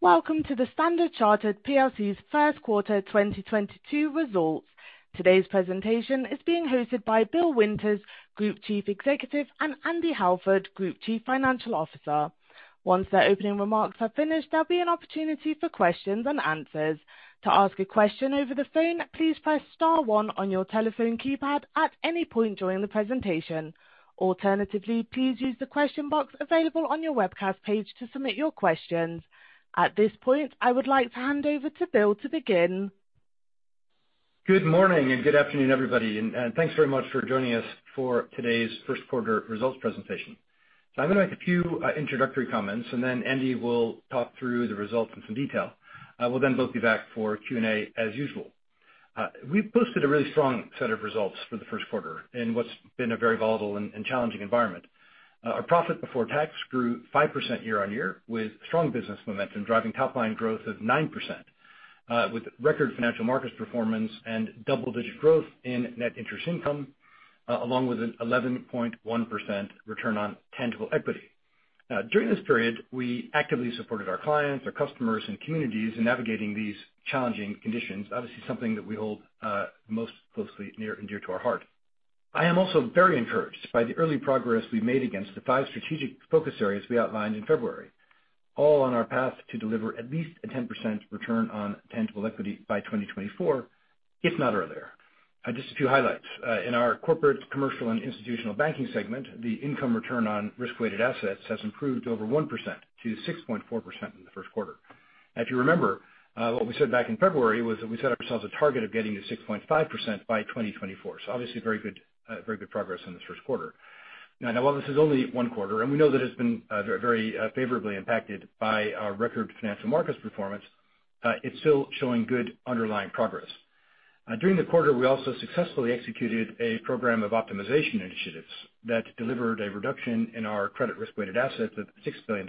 Welcome to the Standard Chartered PLC's Q1 2022 results. Today's presentation is being hosted by Bill Winters, Group Chief Executive, and Andy Halford, Group Chief Financial Officer. Once their opening remarks are finished, there'll be an opportunity for questions and answers. To ask a question over the phone, please press star one on your telephone keypad at any point during the presentation. Alternatively, please use the question box available on your webcast page to submit your questions. At this point, I would like to hand over to Bill to begin. Good morning and good afternoon, everybody, and thanks very much for joining us for today's Q1 results presentation. I'm gonna make a few introductory comments, and then Andy will talk through the results in some detail. We'll both be back for Q&A as usual. We've posted a really strong set of results for the Q1 in what's been a very volatile and challenging environment. Our profit before tax grew 5% year-on-year, with strong business momentum driving top line growth of 9%, with record financial markets performance and double-digit growth in net interest income, along with an 11.1% return on tangible equity. Now, during this period, we actively supported our clients, our customers and communities in navigating these challenging conditions, obviously something that we hold most closely near and dear to our heart. I am also very encouraged by the early progress we've made against the five strategic focus areas we outlined in February, all on our path to deliver at least a 10% return on tangible equity by 2024, if not earlier. Just a few highlights. In our corporate, commercial and institutional banking segment, the income return on risk-weighted assets has improved over 1% to 6.4% in the Q1. If you remember, what we said back in February was that we set ourselves a target of getting to 6.5% by 2024. Obviously, very good progress in this Q1. Now, while this is only one quarter, and we know that it's been very favorably impacted by our record financial markets performance, it's still showing good underlying progress. During the quarter, we also successfully executed a program of optimization initiatives that delivered a reduction in our credit risk weighted assets of $6 billion.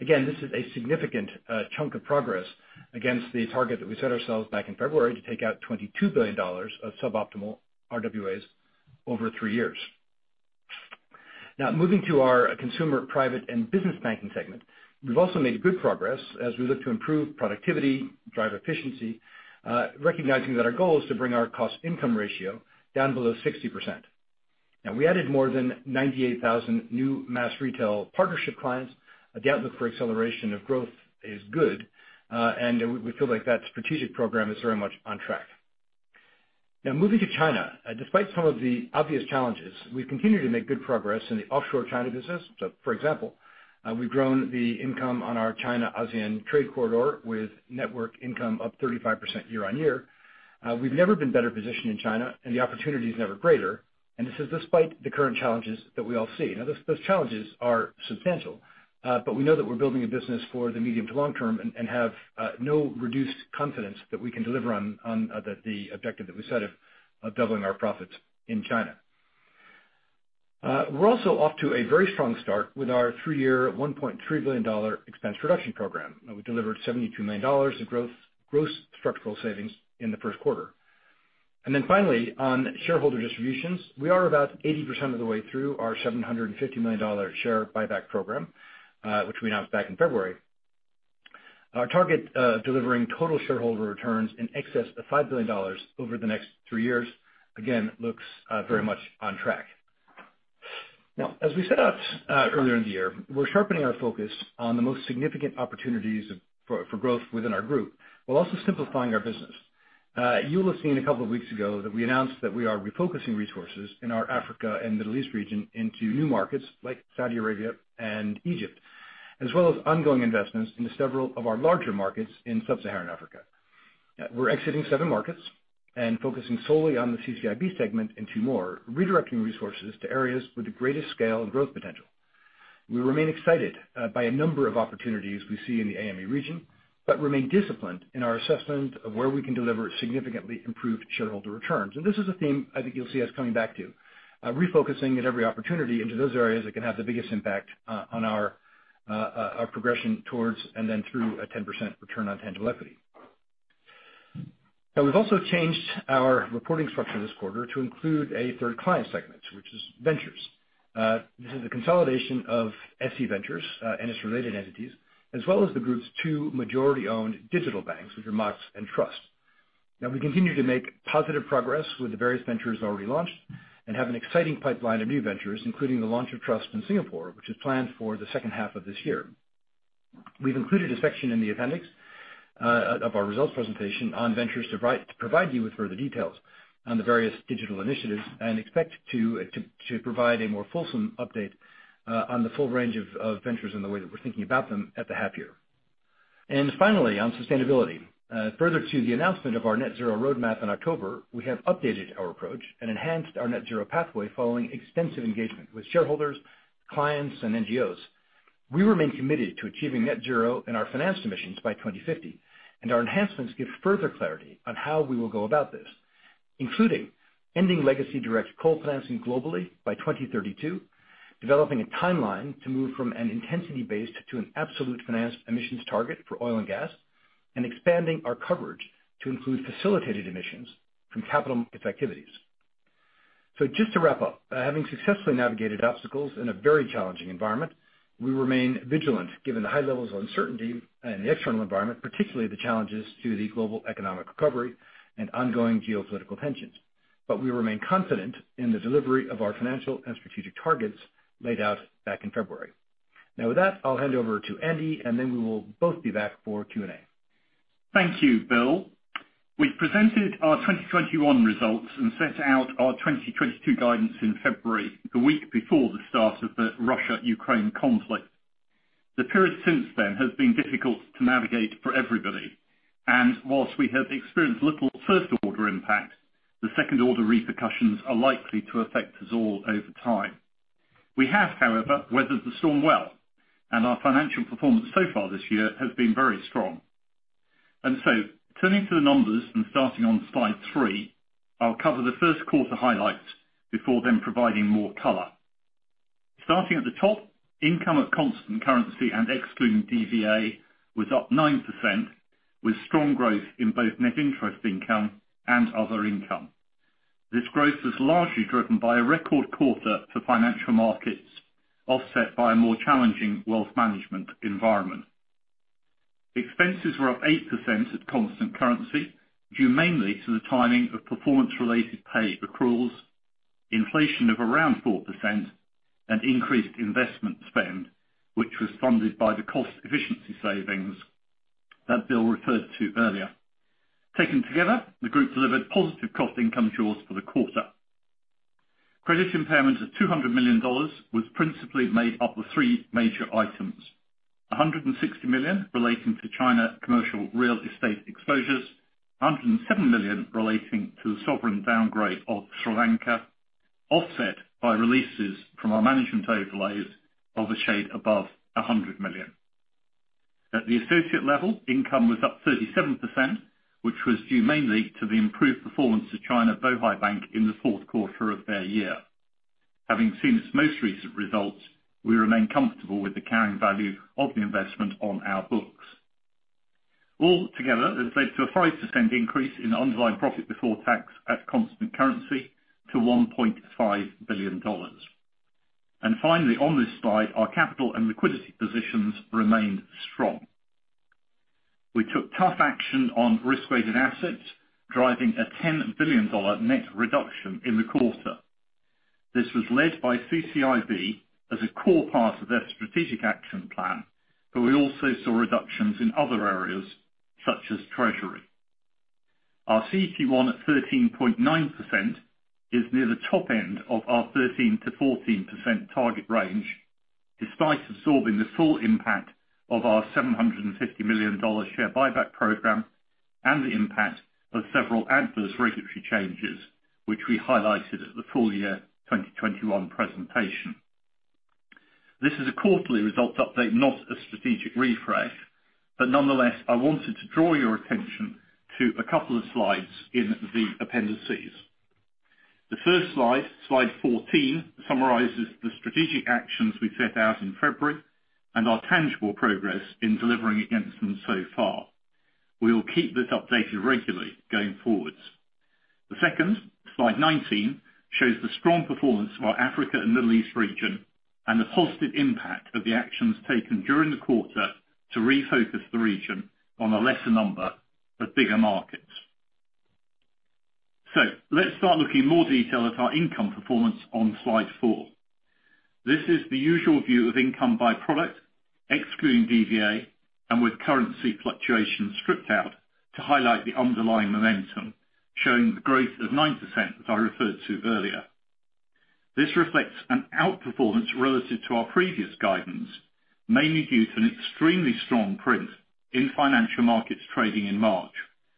Again, this is a significant chunk of progress against the target that we set ourselves back in February to take out $22 billion of suboptimal RWAs over three years. Now, moving to our consumer, private, and business banking segment. We've also made good progress as we look to improve productivity, drive efficiency, recognizing that our goal is to bring our cost income ratio down below 60%. Now, we added more than 98,000 new mass retail partnership clients. The outlook for acceleration of growth is good, and we feel like that strategic program is very much on track. Now, moving to China. Despite some of the obvious challenges, we've continued to make good progress in the offshore China business. So, for example, we've grown the income on our China ASEAN trade corridor with network income up 35% year-over-year. We've never been better positioned in China and the opportunity is never greater, and this is despite the current challenges that we all see. Now, those challenges are substantial, but we know that we're building a business for the medium to long term and have no reduced confidence that we can deliver on the objective that we set of doubling our profits in China. We're also off to a very strong start with our three-year, $1.3 billion expense reduction program. We delivered $72 million of gross structural savings in the Q1. Finally, on shareholder distributions. We are about 80% of the way through our $750 million share buyback program, which we announced back in February. Our target, delivering total shareholder returns in excess of $5 billion over the next three years again, looks very much on track. Now, as we set out earlier in the year, we're sharpening our focus on the most significant opportunities for growth within our group, while also simplifying our business. You will have seen a couple of weeks ago that we announced that we are refocusing resources in our Africa and Middle East region into new markets like Saudi Arabia and Egypt, as well as ongoing investments into several of our larger markets in sub-Saharan Africa. We're exiting seven markets and focusing solely on the CCIB segment and two more, redirecting resources to areas with the greatest scale and growth potential. We remain excited by a number of opportunities we see in the AME region, but remain disciplined in our assessment of where we can deliver significantly improved shareholder returns. This is a theme I think you'll see us coming back to, refocusing at every opportunity into those areas that can have the biggest impact on our progression towards and then through a 10% return on tangible equity. Now, we've also changed our reporting structure this quarter to include a third client segment, which is Ventures. This is a consolidation of SC Ventures and its related entities, as well as the group's two majority-owned digital banks, which are Mox and Trust. Now we continue to make positive progress with the various ventures already launched and have an exciting pipeline of new ventures, including the launch of Trust in Singapore, which is planned for the H2 of this year. We've included a section in the appendix of our results presentation on Ventures to provide you with further details on the various digital initiatives and expect to provide a more fulsome update on the full range of ventures and the way that we're thinking about them at the half year. Finally, on sustainability. Further to the announcement of our net zero roadmap in October, we have updated our approach and enhanced our net zero pathway following extensive engagement with shareholders, clients, and NGOs. We remain committed to achieving net zero in our financed emissions by 2050, and our enhancements give further clarity on how we will go about this, including ending legacy direct coal financing globally by 2032, developing a timeline to move from an intensity-based to an absolute financed emissions target for oil and gas, and expanding our coverage to include facilitated emissions from capital markets activities. Just to wrap up, having successfully navigated obstacles in a very challenging environment, we remain vigilant given the high levels of uncertainty in the external environment, particularly the challenges to the global economic recovery and ongoing geopolitical tensions. We remain confident in the delivery of our financial and strategic targets laid out back in February. Now, with that, I'll hand over to Andy, and then we will both be back for Q&A. Thank you, Bill. We presented our 2021 results and set out our 2022 guidance in February, the week before the start of the Russia-Ukraine conflict. The period since then has been difficult to navigate for everybody, and while we have experienced little first order impact, the second order repercussions are likely to affect us all over time. We have, however, weathered the storm well, and our financial performance so far this year has been very strong. Turning to the numbers and starting on slide three, I'll cover the Q1 highlights before then providing more color. Starting at the top, income at constant currency and excluding DVA was up 9%, with strong growth in both net interest income and other income. This growth is largely driven by a record quarter for financial markets, offset by a more challenging wealth management environment. Expenses were up 8% at constant currency, due mainly to the timing of performance-related pay accruals, inflation of around 4% and increased investment spend, which was funded by the cost efficiency savings that Bill referred to earlier. Taken together, the group delivered positive cost-income jaws for the quarter. Credit impairment of $200 million was principally made up of three major items. $160 million relating to China commercial real estate exposures, $107 million relating to the sovereign downgrade of Sri Lanka, offset by releases from our management overlays of a shade above $100 million. At the associate level, income was up 37%, which was due mainly to the improved performance of China Bohai Bank in the Q4 of their year. Having seen its most recent results, we remain comfortable with the carrying value of the investment on our books. All together, it has led to a 5% increase in underlying profit before tax at constant currency to $1.5 billion. Finally, on this slide, our capital and liquidity positions remained strong. We took tough action on risk-weighted assets, driving a $10 billion net reduction in the quarter. This was led by CCIB as a core part of their strategic action plan, but we also saw reductions in other areas such as treasury. Our CET1 at 13.9% is near the top end of our 13%-14% target range, despite absorbing the full impact of our $750 million share buyback program and the impact of several adverse regulatory changes, which we highlighted at the full year 2021 presentation. This is a quarterly results update, not a strategic refresh, but nonetheless, I wanted to draw your attention to a couple of slides in the appendices. The first slide 14, summarizes the strategic actions we set out in February and our tangible progress in delivering against them so far. We will keep this updated regularly going forwards. The second, slide 19, shows the strong performance of our Africa and Middle East region and the positive impact of the actions taken during the quarter to refocus the region on a lesser number of bigger markets. Let's start looking in more detail at our income performance on slide four. This is the usual view of income by product, excluding DVA, and with currency fluctuation stripped out to highlight the underlying momentum, showing the growth of 9%, as I referred to earlier. This reflects an outperformance relative to our previous guidance, mainly due to an extremely strong print in financial markets trading in March,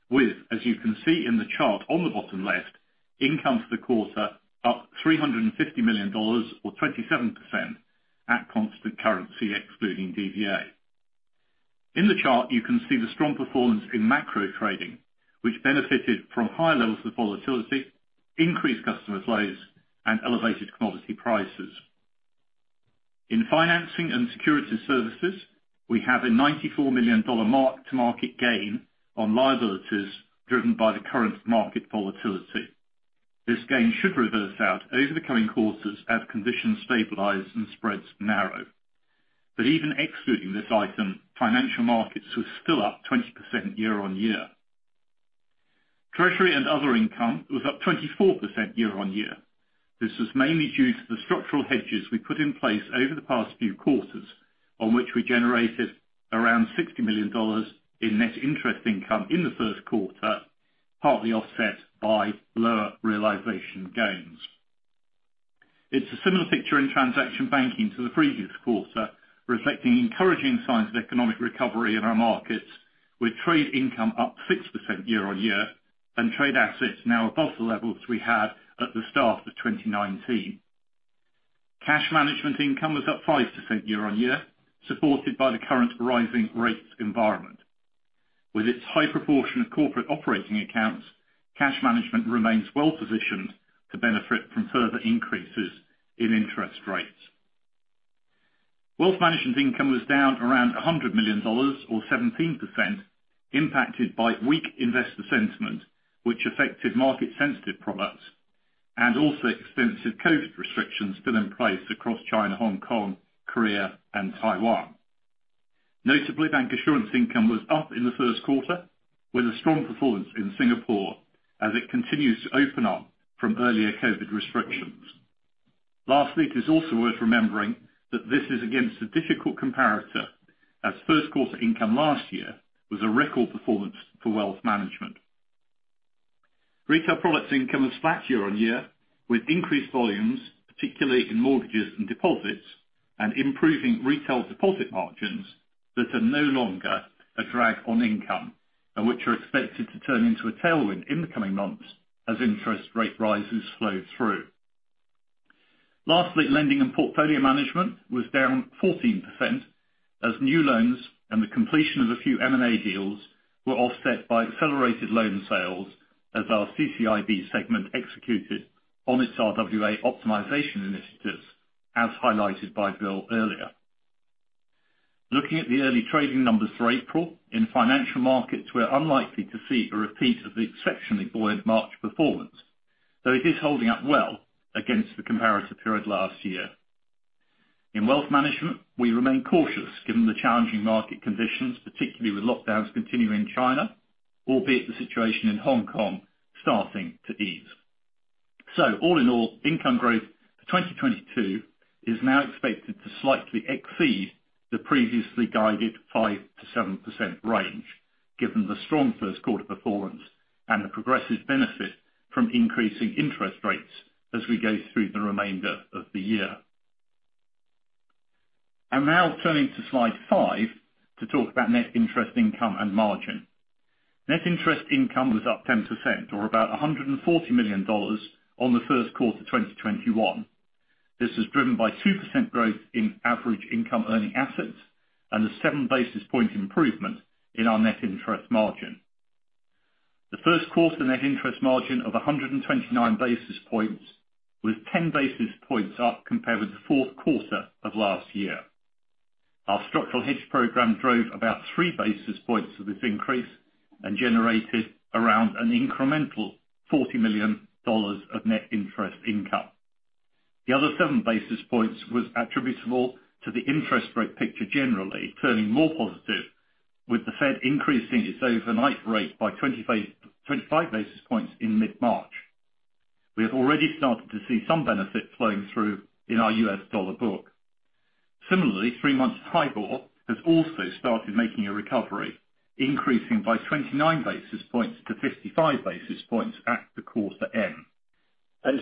with, as you can see in the chart on the bottom left, income for the quarter up $350 million or 27% at constant currency excluding DVA. In the chart, you can see the strong performance in macro trading, which benefited from higher levels of volatility, increased customer flows, and elevated commodity prices. In financing and security services, we have a $94 million mark-to-market gain on liabilities driven by the current market volatility. This gain should reverse out over the coming quarters as conditions stabilize and spreads narrow. Even excluding this item, financial markets were still up 20% year-on-year. Treasury and other income was up 24% year-on-year. This is mainly due to the structural hedges we put in place over the past few quarters, on which we generated around $60 million in net interest income in the Q1, partly offset by lower realization gains. It's a similar picture in transaction banking to the previous quarter, reflecting encouraging signs of economic recovery in our markets, with trade income up 6% year-on-year and trade assets now above the levels we had at the start of 2019. Cash management income was up 5% year-on-year, supported by the current rising rates environment. With its high proportion of corporate operating accounts, cash management remains well-positioned to benefit from further increases in interest rates. Wealth management income was down around $100 million or 17% impacted by weak investor sentiment, which affected market sensitive products and also extensive COVID restrictions still in place across China, Hong Kong, Korea and Taiwan. Notably, bancassurance income was up in the Q1 with a strong performance in Singapore as it continues to open up from earlier COVID restrictions. Lastly, it is also worth remembering that this is against a difficult comparator, as Q1 income last year was a record performance for wealth management. Retail products income was flat year-over-year, with increased volumes, particularly in mortgages and deposits and improving retail deposit margins that are no longer a drag on income and which are expected to turn into a tailwind in the coming months as interest rate rises flow through. Lastly, lending and portfolio management was down 14% as new loans and the completion of a few M&A deals were offset by accelerated loan sales as our CCIB segment executed on its RWA optimization initiatives as highlighted by Bill earlier. Looking at the early trading numbers for April, in financial markets, we are unlikely to see a repeat of the exceptionally buoyant March performance, though it is holding up well against the comparative period last year. In wealth management, we remain cautious given the challenging market conditions, particularly with lockdowns continuing in China, albeit the situation in Hong Kong starting to ease. All in all, income growth for 2022 is now expected to slightly exceed the previously guided 5%-7% range, given the strong Q1 performance and the progressive benefit from increasing interest rates as we go through the remainder of the year. I'm now turning to slide five to talk about net interest income and margin. Net interest income was up 10% or about $140 million on the Q1 of 2021. This is driven by 2% growth in average income earning assets and a seven basis points improvement in our net interest margin. The Q1 net interest margin of 129 basis points was 10 basis points up compared with the Q4 of last year. Our structural hedge program drove about 3 basis points of this increase and generated around an incremental $40 million of net interest income. The other 7 basis points was attributable to the interest rate picture generally turning more positive with the Fed increasing its overnight rate by 25 basis points in mid-March. We have already started to see some benefit flowing through in our US dollar book. Similarly, three months HIBOR has also started making a recovery, increasing by 29 basis points-55 basis points at the quarter end.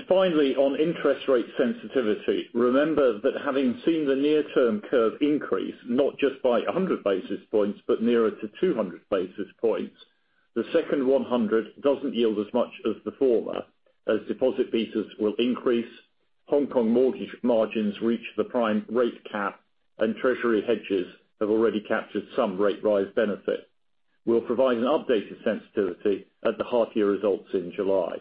Finally, on interest rate sensitivity, remember that having seen the near term curve increase not just by 100 basis points but nearer to 200 basis points, the second 100 doesn't yield as much as the former. As deposit basis will increase, Hong Kong mortgage margins reach the prime rate cap and treasury hedges have already captured some rate rise benefit. We'll provide an updated sensitivity at the half year results in July.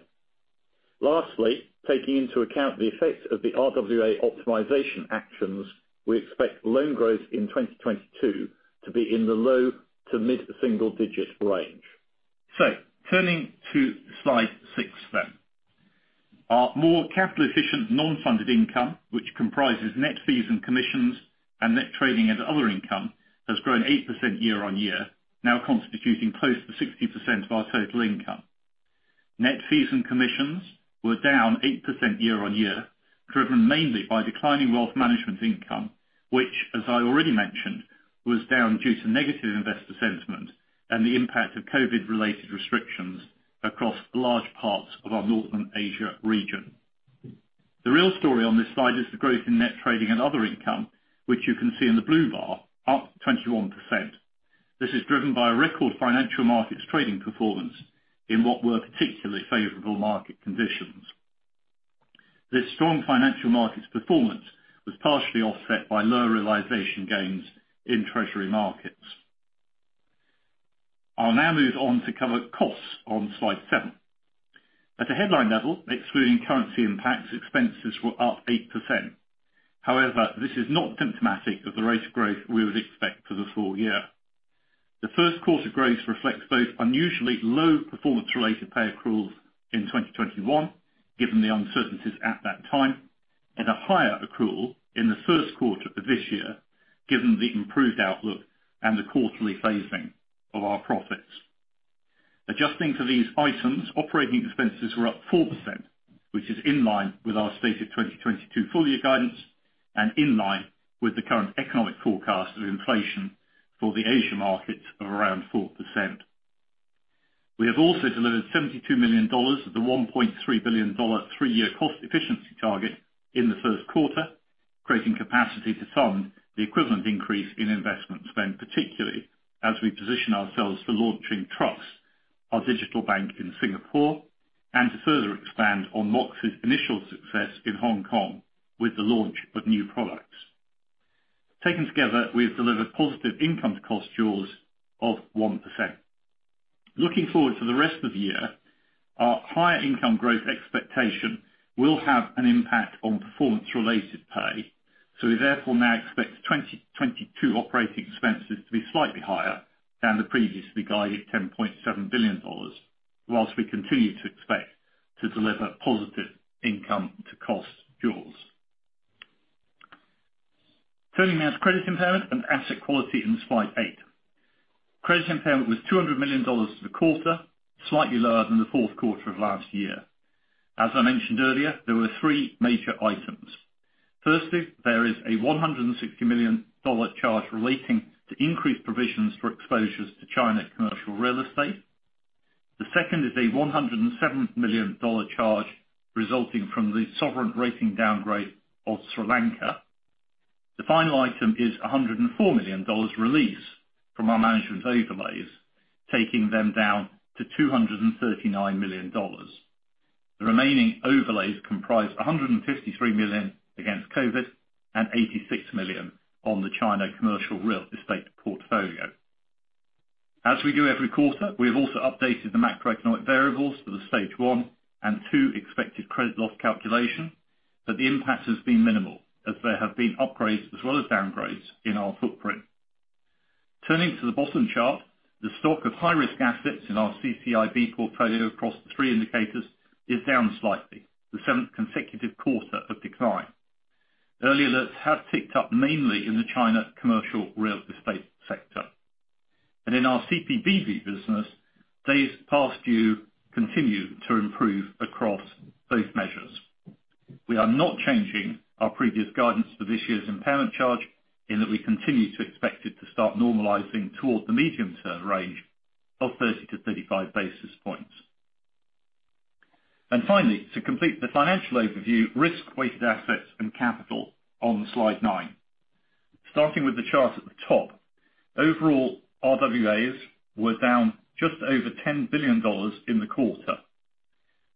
Lastly, taking into account the effects of the RWA optimization actions, we expect loan growth in 2022 to be in the low to mid single digits range. Turning to slide six then. Our more capital efficient non-funded income, which comprises net fees and commissions and net trading and other income, has grown 8% year-on-year, now constituting close to 60% of our total income. Net fees and commissions were down 8% year-on-year, driven mainly by declining wealth management income, which as I already mentioned, was down due to negative investor sentiment and the impact of COVID related restrictions across large parts of our Northern Asia region. The real story on this slide is the growth in net trading and other income, which you can see in the blue bar up 21%. This is driven by a record financial markets trading performance in what were particularly favorable market conditions. This strong financial markets performance was partially offset by lower realization gains in treasury markets. I'll now move on to cover costs on slide seven. At a headline level, excluding currency impacts, expenses were up 8%. However, this is not symptomatic of the rate of growth we would expect for the full year. The Q1 growth reflects both unusually low performance related pay accruals in 2021, given the uncertainties at that time, and a higher accrual in the Q1 of this year, given the improved outlook and the quarterly phasing of our profits. Adjusting for these items, operating expenses were up 4%, which is in line with our stated 2022 full year guidance and in line with the current economic forecast of inflation for the Asia markets of around 4%. We have also delivered $72 million of the $1.3 billion three-year cost efficiency target in the Q1, creating capacity to fund the equivalent increase in investment spend, particularly as we position ourselves for launching Trust, our digital bank in Singapore, and to further expand on Mox's initial success in Hong Kong with the launch of new products. Taken together, we have delivered positive income to cost jaws of 1%. Looking forward to the rest of the year, our higher income growth expectation will have an impact on performance-related pay, so we therefore now expect 2022 operating expenses to be slightly higher than the previously guided $10.7 billion, while we continue to expect to deliver positive income to cost jaws. Turning now to credit impairment and asset quality in slide eight. Credit impairment was $200 million for the quarter, slightly lower than the Q4 of last year. As I mentioned earlier, there were three major items. Firstly, there is a $160 million charge relating to increased provisions for exposures to China commercial real estate. The second is a $107 million charge resulting from the sovereign rating downgrade of Sri Lanka. The final item is $104 million release from our management overlays, taking them down to $239 million. The remaining overlays comprise $153 million against COVID and $86 million on the China commercial real estate portfolio. As we do every quarter, we have also updated the macroeconomic variables for the stage one and two expected credit loss calculation, but the impact has been minimal as there have been upgrades as well as downgrades in our footprint. Turning to the bottom chart, the stock of high-risk assets in our CCIB portfolio across the three indicators is down slightly, the seventh consecutive quarter of decline. Early alerts have ticked up mainly in the China commercial real estate sector. In our CPBB business, days past due continue to improve across both measures. We are not changing our previous guidance for this year's impairment charge in that we continue to expect it to start normalizing towards the medium-term range of 30 basis points-35 basis points. Finally, to complete the financial overview, risk-weighted assets and capital on slide nine. Starting with the chart at the top, overall RWAs were down just over $10 billion in the quarter.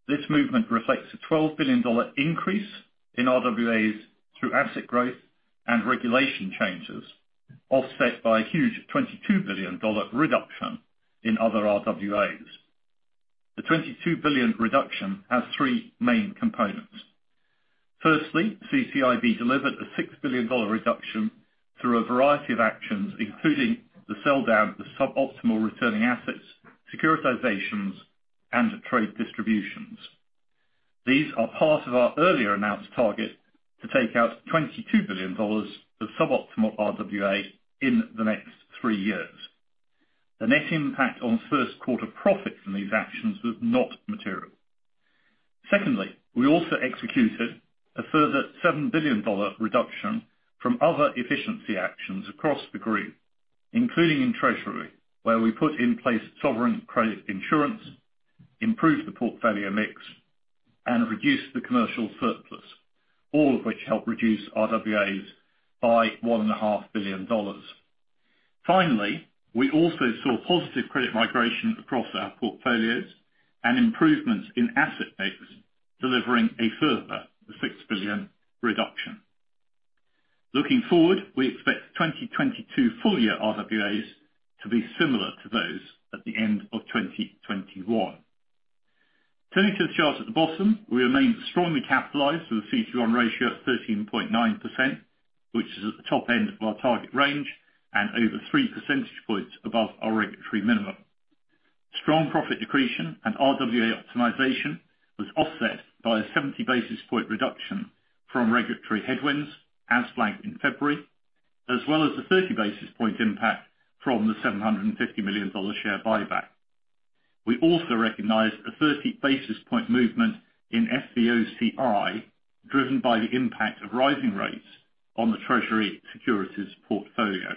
This movement reflects a $12 billion dollar increase in RWAs through asset growth and regulation changes, offset by a huge $22 billion dollar reduction in other RWAs. The $22 billion reduction has three main components. Firstly, CCIB delivered a $6 billion dollar reduction through a variety of actions, including the sell-down of the suboptimal returning assets, securitizations, and trade distributions. These are part of our earlier announced target to take out $22 billion dollars of suboptimal RWA in the next three years. The net impact on Q1 profits from these actions was not material. Secondly, we also executed a further $7 billion reduction from other efficiency actions across the group, including in treasury, where we put in place sovereign credit insurance, improved the portfolio mix, and reduced the commercial surplus, all of which helped reduce RWAs by $1.5 billion. Finally, we also saw positive credit migration across our portfolios and improvements in asset mix, delivering a further $6 billion reduction. Looking forward, we expect 2022 full year RWAs to be similar to those at the end of 2021. Turning to the chart at the bottom, we remain strongly capitalized with a CET1 ratio of 13.9%, which is at the top end of our target range and over three percentage points above our regulatory minimum. Strong profit accretion and RWA optimization was offset by a 70 basis point reduction from regulatory headwinds, as flagged in February, as well as the 30 basis point impact from the $750 million share buyback. We also recognized a 30 basis point movement in FVOCI, driven by the impact of rising rates on the treasury securities portfolio.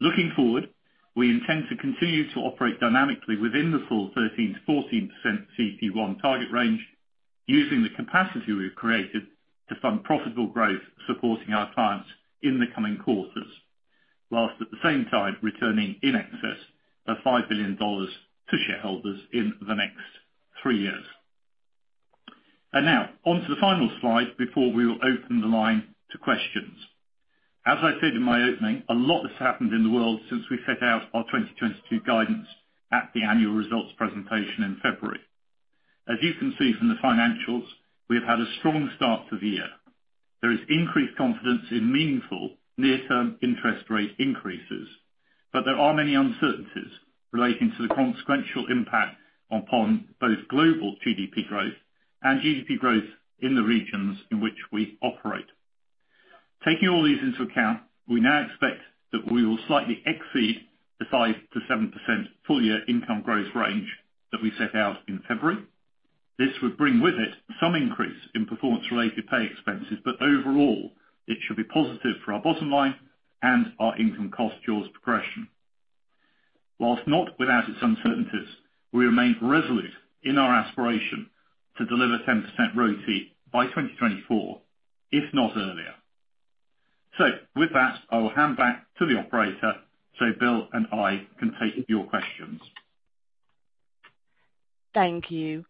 Looking forward, we intend to continue to operate dynamically within the full 13%-14% CET1 target range using the capacity we have created to fund profitable growth supporting our clients in the coming quarters, while at the same time returning in excess of $5 billion to shareholders in the next three years. Now on to the final slide before we will open the line to questions. As I said in my opening, a lot has happened in the world since we set out our 2022 guidance at the annual results presentation in February. As you can see from the financials, we have had a strong start to the year. There is increased confidence in meaningful near-term interest rate increases, but there are many uncertainties relating to the consequential impact upon both global GDP growth and GDP growth in the regions in which we operate. Taking all these into account, we now expect that we will slightly exceed the 5%-7% full year income growth range that we set out in February. This would bring with it some increase in performance-related pay expenses, but overall, it should be positive for our bottom line and our income cost jaws progression. While not without its uncertainties, we remain resolute in our aspiration to deliver 10% RoTE by 2024, if not earlier. With that, I will hand back to the operator so Bill and I can take your questions. Thank you.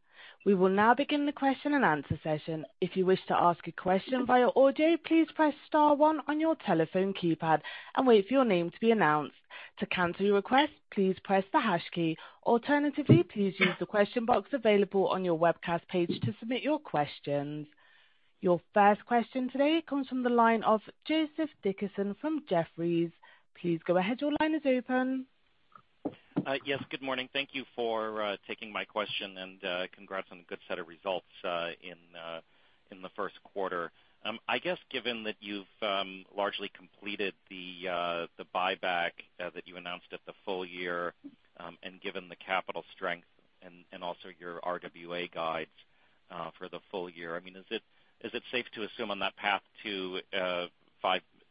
We will now begin the question and answer session. If you wish to ask a question via audio, please press star one on your telephone keypad and wait for your name to be announced. To cancel your request, please press the hash key. Alternatively, please use the question box available on your webcast page to submit your questions. Your first question today comes from the line of Joseph Dickerson from Jefferies. Please go ahead. Your line is open. Yes, good morning. Thank you for taking my question and congrats on a good set of results in the Q1. I guess, given that you've largely completed the buyback that you announced at the full year, and given the capital strength and also your RWA guides for the full year, I mean, is it safe to assume on that path to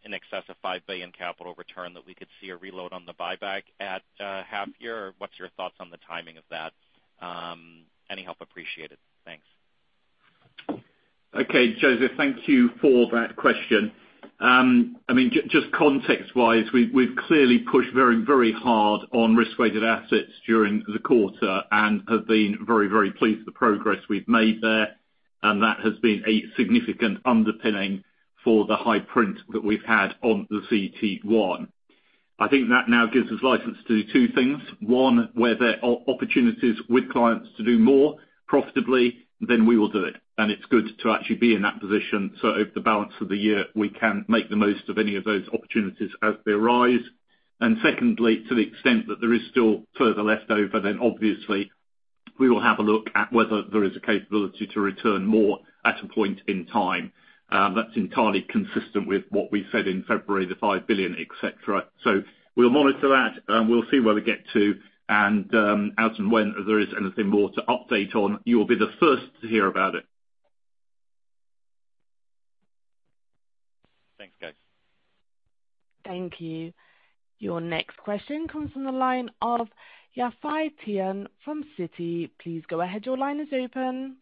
in excess of $5 billion capital return that we could see a reload on the buyback at half year? Or what's your thoughts on the timing of that? Any help appreciated. Thanks. Okay, Joseph, thank you for that question. I mean, just context-wise, we've clearly pushed very, very hard on risk-weighted assets during the quarter and have been very, very pleased with the progress we've made there, and that has been a significant underpinning for the high print that we've had on the CET1. I think that now gives us license to do two things. One, where there are opportunities with clients to do more profitably, then we will do it, and it's good to actually be in that position so over the balance of the year, we can make the most of any of those opportunities as they arise. Secondly, to the extent that there is still further left over, then obviously we will have a look at whether there is a capability to return more at a point in time. That's entirely consistent with what we said in February, the $5 billion, et cetera. We'll monitor that, and we'll see where we get to, and, as and when there is anything more to update on, you will be the first to hear about it. Thanks, guys. Thank you. Your next question comes from the line of Yafei Tian from Citi. Please go ahead. Your line is open.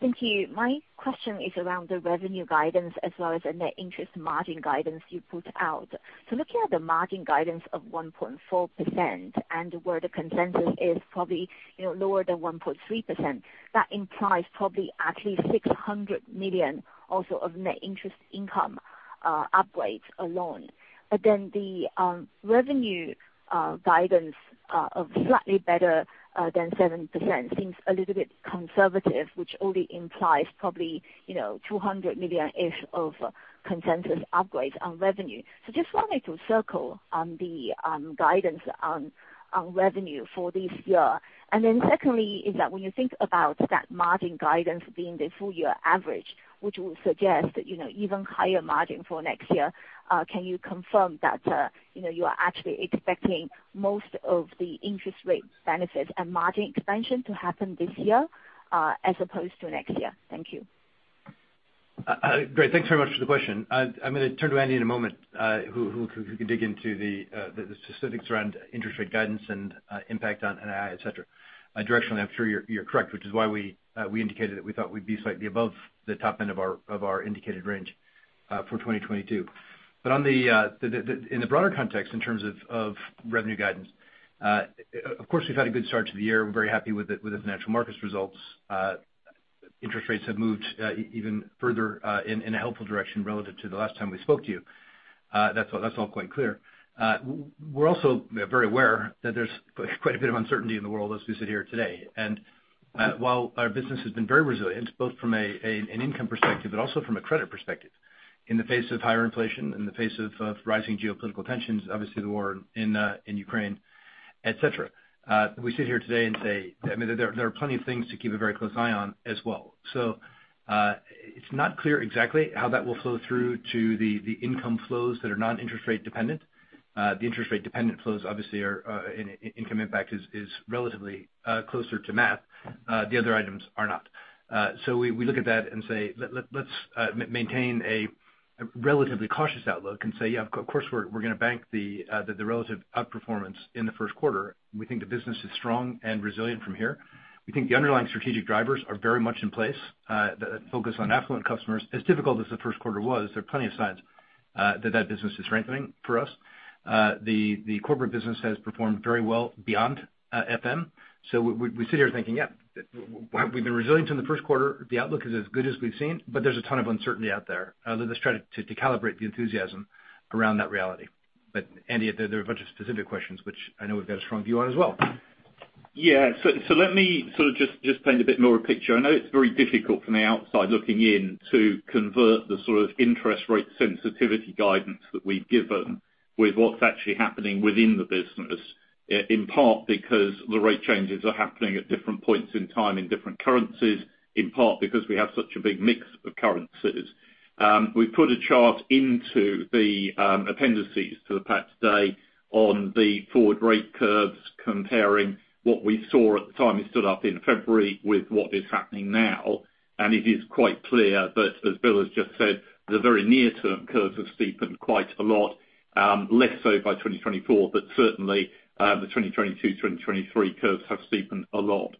Thank you. My question is around the revenue guidance as well as the net interest margin guidance you put out. Looking at the margin guidance of 1.4% and where the consensus is probably, you know, lower than 1.3%, that implies probably at least $600 million also of net interest income upgrades alone. Then the revenue guidance of slightly better than 7% seems a little bit conservative, which only implies probably, you know, $200 million-ish of consensus upgrades on revenue. Just wanted to circle on the guidance on revenue for this year. Secondly is that when you think about that margin guidance being the full year average, which would suggest that, you know, even higher margin for next year, can you confirm that, you know, you are actually expecting most of the interest rate benefits and margin expansion to happen this year, as opposed to next year? Thank you. Great. Thanks very much for the question. I'm gonna turn to Andy in a moment, who can dig into the specifics around interest rate guidance and impact on NII, et cetera. Directionally, I'm sure you're correct, which is why we indicated that we thought we'd be slightly above the top end of our indicated range for 2022. On the in the broader context in terms of revenue guidance, of course, we've had a good start to the year. We're very happy with the Financial Markets results. Interest rates have moved even further in a helpful direction relative to the last time we spoke to you. That's all quite clear. We're also very aware that there's quite a bit of uncertainty in the world as we sit here today. While our business has been very resilient, both from an income perspective, but also from a credit perspective, in the face of higher inflation, in the face of rising geopolitical tensions, obviously the war in Ukraine, et cetera, we sit here today and say, I mean, there are plenty of things to keep a very close eye on as well. It's not clear exactly how that will flow through to the income flows that are non-interest rate dependent. The interest rate dependent flows obviously are in income impact is relatively closer to math. The other items are not. We look at that and say, let's maintain a relatively cautious outlook and say, yeah, of course we're gonna bank the relative outperformance in the Q1. We think the business is strong and resilient from here. We think the underlying strategic drivers are very much in place, the focus on affluent customers. As difficult as the Q1 was, there are plenty of signs that that business is strengthening for us. The corporate business has performed very well beyond FM. We sit here thinking, yeah, we've been resilient in the Q1. The outlook is as good as we've seen, but there's a ton of uncertainty out there. Let's try to calibrate the enthusiasm around that reality. Andy, there are a bunch of specific questions which I know we've got a strong view on as well. Yeah. Let me sort of just paint a bit more picture. I know it's very difficult from the outside looking in to convert the sort of interest rate sensitivity guidance that we've given with what's actually happening within the business, in part because the rate changes are happening at different points in time in different currencies, in part because we have such a big mix of currencies. We've put a chart into the appendices to the pack today on the forward rate curves comparing what we saw at the time we stood up in February with what is happening now. It is quite clear that, as Bill has just said, the very near-term curves have steepened quite a lot, less so by 2024, but certainly, the 2022, 2023 curves have steepened a lot.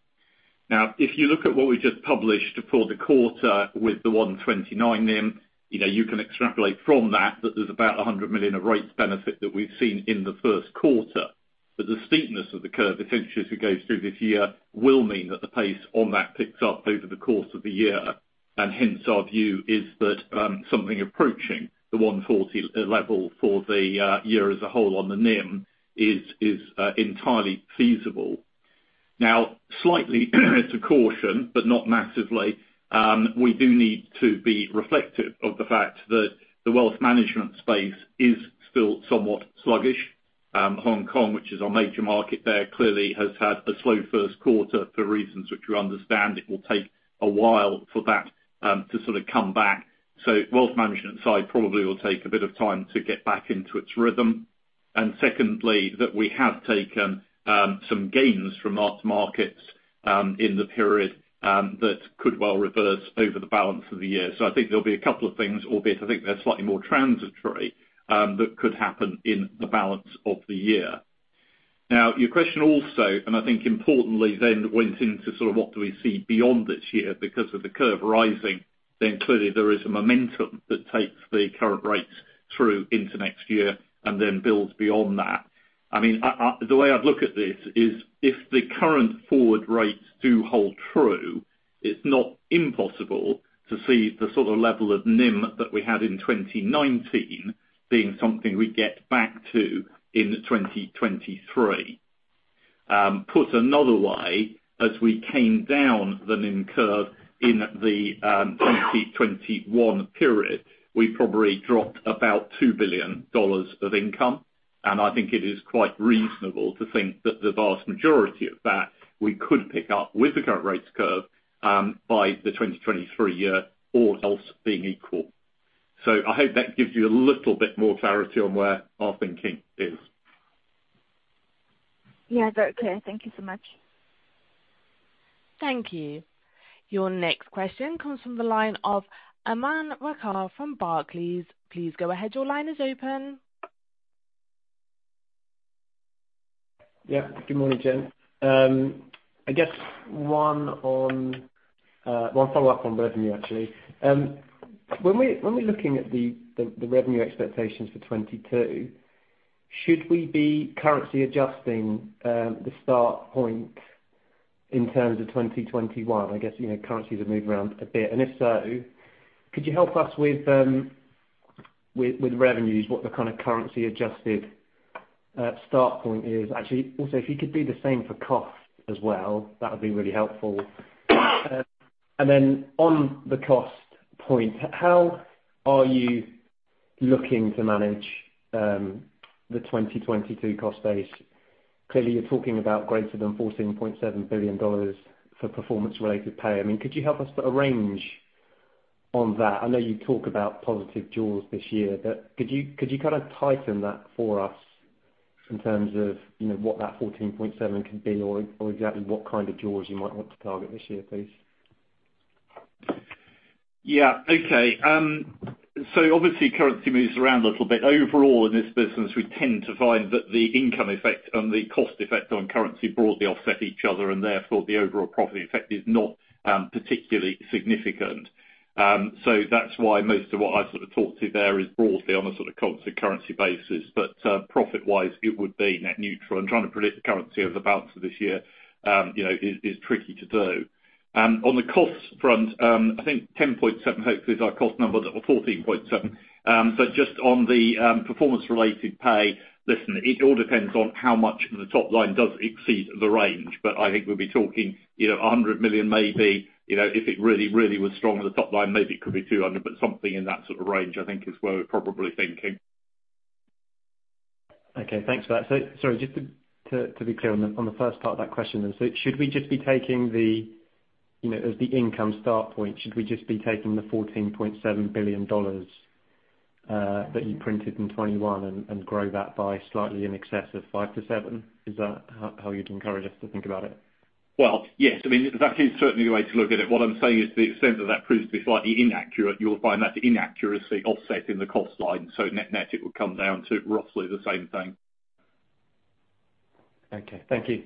Now, if you look at what we just published for the quarter with the 1.29% NIM, you know, you can extrapolate from that there's about $100 million of rates benefit that we've seen in the Q1. But the steepness of the curve essentially as it goes through this year will mean that the pace on that picks up over the course of the year. Hence our view is that, something approaching the 1.40% level for the, year as a whole on the NIM is entirely feasible. Now, slightly to caution, but not massively, we do need to be reflective of the fact that the wealth management space is still somewhat sluggish. Hong Kong, which is our major market there, clearly has had a slow Q1 for reasons which we understand it will take a while for that, to sort of come back. Wealth management side probably will take a bit of time to get back into its rhythm. Secondly, that we have taken, some gains from Financial Markets, in the period, that could well reverse over the balance of the year. I think there'll be a couple of things, albeit I think they're slightly more transitory, that could happen in the balance of the year. Now, your question also, and I think importantly then went into sort of what do we see beyond this year because of the curve rising, then clearly there is a momentum that takes the current rates through into next year and then builds beyond that. I mean, the way I'd look at this is if the current forward rates do hold true, it's not impossible to see the sort of level of NIM that we had in 2019 being something we'd get back to in 2023. Put another way, as we came down the NIM curve in the 2021 period, we probably dropped about $2 billion of income. I think it is quite reasonable to think that the vast majority of that we could pick up with the current rates curve, by the 2023 year, all else being equal. I hope that gives you a little bit more clarity on where our thinking is. Yeah, very clear. Thank you so much. Thank you. Your next question comes from the line of Aman Rakkar from Barclays. Please go ahead. Your line is open. Yeah. Good morning, gents. I guess one follow-up on revenue, actually. When we're looking at the revenue expectations for 2022, should we be currency adjusting the start point in terms of 2021? I guess, you know, currencies have moved around a bit. If so, could you help us with revenues, what the kind of currency adjusted start point is? Actually, also, if you could do the same for cost as well, that would be really helpful. On the cost point, how are you looking to manage the 2022 cost base? Clearly you're talking about greater than $14.7 billion for performance related pay. I mean, could you help us put a range on that? I know you talk about positive jaws this year, but could you kind of tighten that for us in terms of, you know, what that 14.7% could be or exactly what kind of jaws you might want to target this year, please? Yeah. Okay. Obviously currency moves around a little bit. Overall in this business, we tend to find that the income effect and the cost effect on currency broadly offset each other, and therefore the overall profit effect is not particularly significant. That's why most of what I sort of talk to there is broadly on a sort of constant currency basis. Profit-wise, it would be net neutral and trying to predict the currency of the balance of this year, you know, is tricky to do. On the cost front, I think $10.7 hopefully is our cost number or $14.7. Just on the performance related pay, listen, it all depends on how much the top line does exceed the range. I think we'll be talking, you know, $100 million maybe, you know, if it really, really was strong on the top line, maybe it could be $200, but something in that sort of range I think is where we're probably thinking. Okay. Thanks for that. Sorry, just to be clear on the first part of that question then. Should we just be taking the, you know, as the income start point, should we just be taking the $14.7 billion that you printed in 2021 and grow that by slightly in excess of 5%-7%? Is that how you'd encourage us to think about it? Well, yes. I mean, that is certainly the way to look at it. What I'm saying is to the extent that that proves to be slightly inaccurate, you'll find that inaccuracy offset in the cost line. Net net it would come down to roughly the same thing. Okay. Thank you.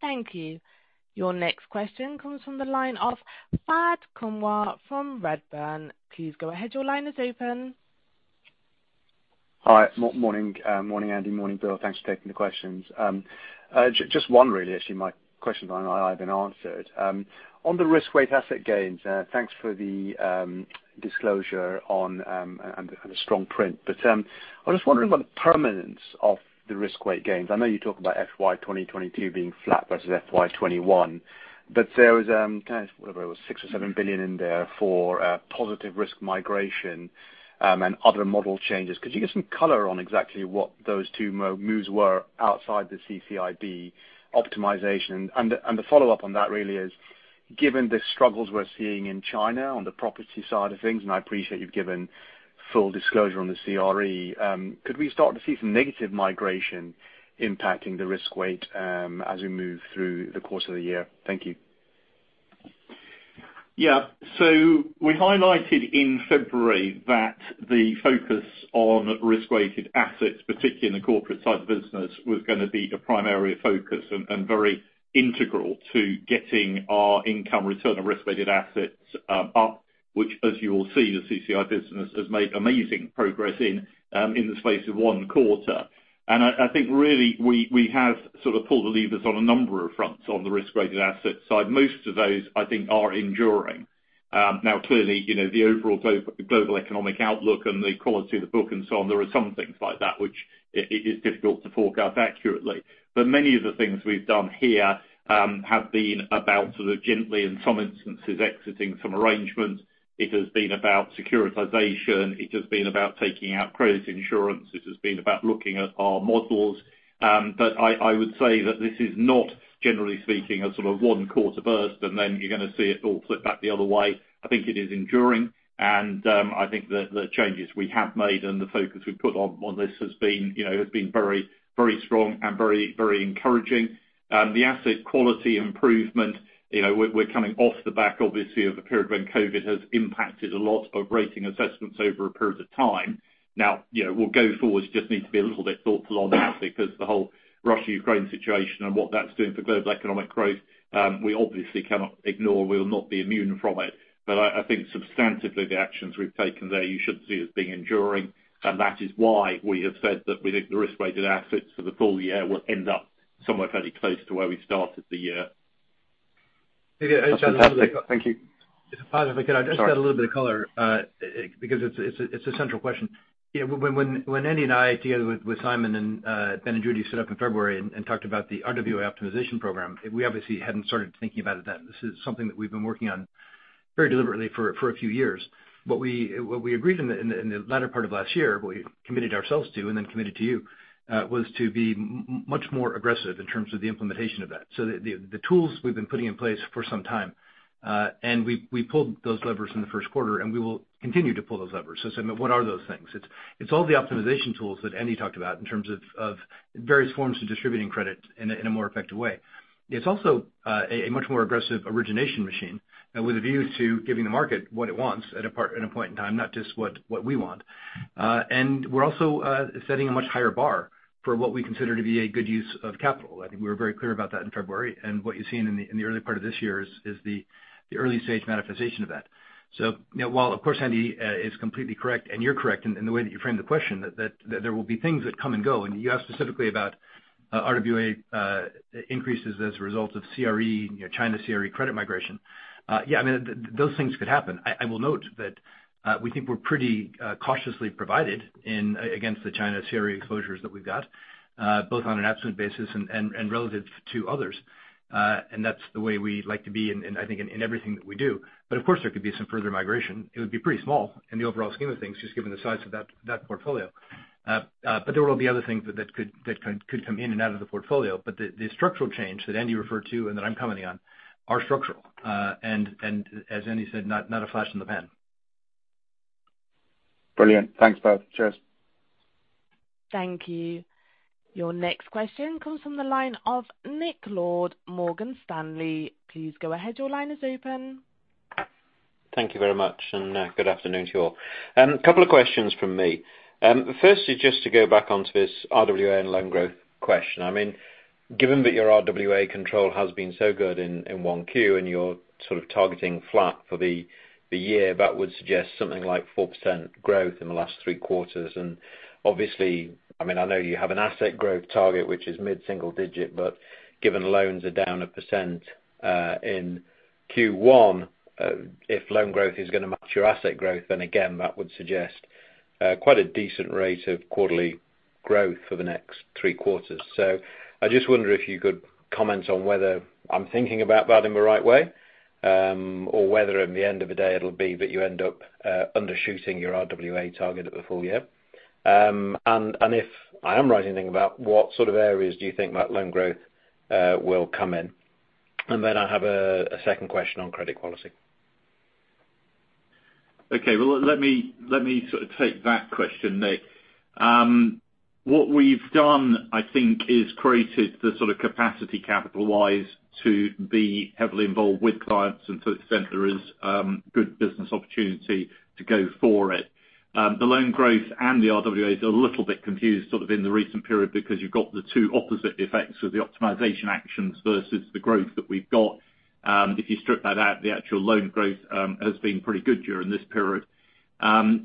Thank you. Your next question comes from the line of Fahed Kunwar from Redburn. Please go ahead. Your line is open. Morning, Andy. Morning, Bill. Thanks for taking the questions. Just one really. Actually, my question might have been answered. On the risk-weighted asset gains, thanks for the disclosure on and the strong print. I was wondering about the permanence of the risk-weighted asset gains. I know you talk about FY 2022 being flat versus FY 2021, but there was kind of whatever it was $6 billion or $7 billion in there for positive risk migration and other model changes. Could you give some color on exactly what those two moves were outside the CCIB optimization? The follow-up on that really is, given the struggles we're seeing in China on the property side of things, and I appreciate you've given full disclosure on the CRE, could we start to see some negative migration impacting the risk weight, as we move through the course of the year? Thank you. Yeah. We highlighted in February that the focus on risk-weighted assets, particularly in the corporate side of the business, was gonna be a primary focus and very integral to getting our income return on risk-weighted assets up. Which as you will see, the CCIB business has made amazing progress in the space of one quarter. I think really we have sort of pulled the levers on a number of fronts on the risk-weighted asset side. Most of those, I think, are enduring. Now clearly, you know, the overall global economic outlook and the quality of the book and so on, there are some things like that which it is difficult to forecast accurately. Many of the things we've done here have been about sort of gently in some instances, exiting some arrangements. It has been about securitization, it has been about taking out credit insurance, it has been about looking at our models. I would say that this is not, generally speaking, a sort of one quarter burst and then you're gonna see it all flip back the other way. I think it is enduring and, I think that the changes we have made and the focus we put on this has been, you know, has been very, very strong and very, very encouraging. The asset quality improvement, you know, we're coming off the back obviously, of a period when COVID has impacted a lot of rating assessments over a period of time. Now, you know, we'll go forward, just need to be a little bit thoughtful on that because the whole Russia-Ukraine situation and what that's doing for global economic growth, we obviously cannot ignore. We will not be immune from it. I think substantively the actions we've taken there, you should see as being enduring, and that is why we have said that we think the risk-weighted assets for the full year will end up somewhere fairly close to where we started the year. Okay. I just add a little bit. That's fantastic. Thank you. If I could, I'll just add a little bit of color, because it's a central question. Yeah, when Andy and I, together with Simon and Ben and Judy stood up in February and talked about the RWA optimization program, we obviously hadn't started thinking about it then. This is something that we've been working on very deliberately for a few years. What we agreed in the latter part of last year, what we committed ourselves to and then committed to you, was to be much more aggressive in terms of the implementation of that. The tools we've been putting in place for some time, and we pulled those levers in the Q1, and we will continue to pull those levers. Simon, what are those things? It's all the optimization tools that Andy talked about in terms of various forms of distributing credit in a more effective way. It's also a much more aggressive origination machine with a view to giving the market what it wants at a point in time, not just what we want. We're also setting a much higher bar for what we consider to be a good use of capital. I think we were very clear about that in February. What you're seeing in the early part of this year is the early stage manifestation of that. You know, while of course Andy is completely correct, and you're correct in the way that you framed the question that there will be things that come and go, and you ask specifically about RWA increases as a result of CRE, you know, China CRE credit migration. Yeah, I mean, those things could happen. I will note that we think we're pretty cautiously provided against the China CRE exposures that we've got, both on an absolute basis and relative to others. And that's the way we like to be in, I think in everything that we do. But of course, there could be some further migration. It would be pretty small in the overall scheme of things, just given the size of that portfolio. There will be other things that could come in and out of the portfolio. The structural change that Andy referred to and that I'm commenting on are structural. As Andy said, not a flash in the pan. Brilliant. Thanks both. Cheers. Thank you. Your next question comes from the line of Nick Lord, Morgan Stanley. Please go ahead. Your line is open. Thank you very much and good afternoon to you all. Couple of questions from me. Firstly, just to go back onto this RWA and loan growth question. I mean, given that your RWA control has been so good in 1Q, and you're sort of targeting flat for the year, that would suggest something like 4% growth in the last three quarters. Obviously, I mean, I know you have an asset growth target, which is mid-single digit, but given loans are down 1% in Q1, if loan growth is gonna match your asset growth, then again that would suggest quite a decent rate of quarterly growth for the next three quarters. I just wonder if you could comment on whether I'm thinking about that in the right way, or whether at the end of the day it'll be that you end up undershooting your RWA target for the full year. If I am right in thinking about what sort of areas do you think that loan growth will come in. I have a second question on credit quality. Well, let me sort of take that question, Nick. What we've done, I think, is created the sort of capacity capital-wise to be heavily involved with clients and to the extent there is good business opportunity to go for it. The loan growth and the RWAs are a little bit confused, sort of in the recent period because you've got the two opposite effects of the optimization actions versus the growth that we've got. If you strip that out, the actual loan growth has been pretty good during this period.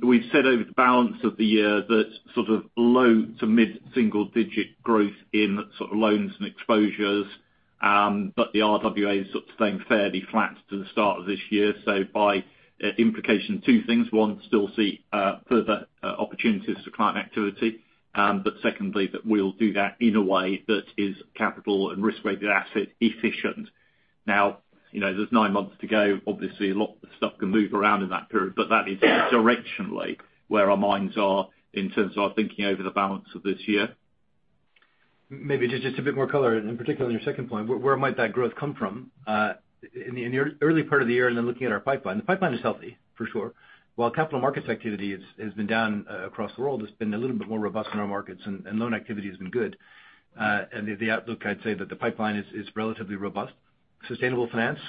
We've said over the balance of the year that sort of low to mid-single digit growth in sort of loans and exposures, but the RWA is sort of staying fairly flat to the start of this year. By implication, two things. We still see further opportunities for client activity, but secondly, that we'll do that in a way that is capital and risk-weighted asset efficient. Now, you know, there's nine months to go. Obviously, a lot of stuff can move around in that period, but that is directionally where our minds are in terms of our thinking over the balance of this year. Maybe just a bit more color and in particular on your second point, where might that growth come from? In the early part of the year and then looking at our pipeline. The pipeline is healthy for sure. While capital markets activity has been down across the world, it's been a little bit more robust in our markets and loan activity has been good. And the outlook, I'd say that the pipeline is relatively robust. Sustainable finance,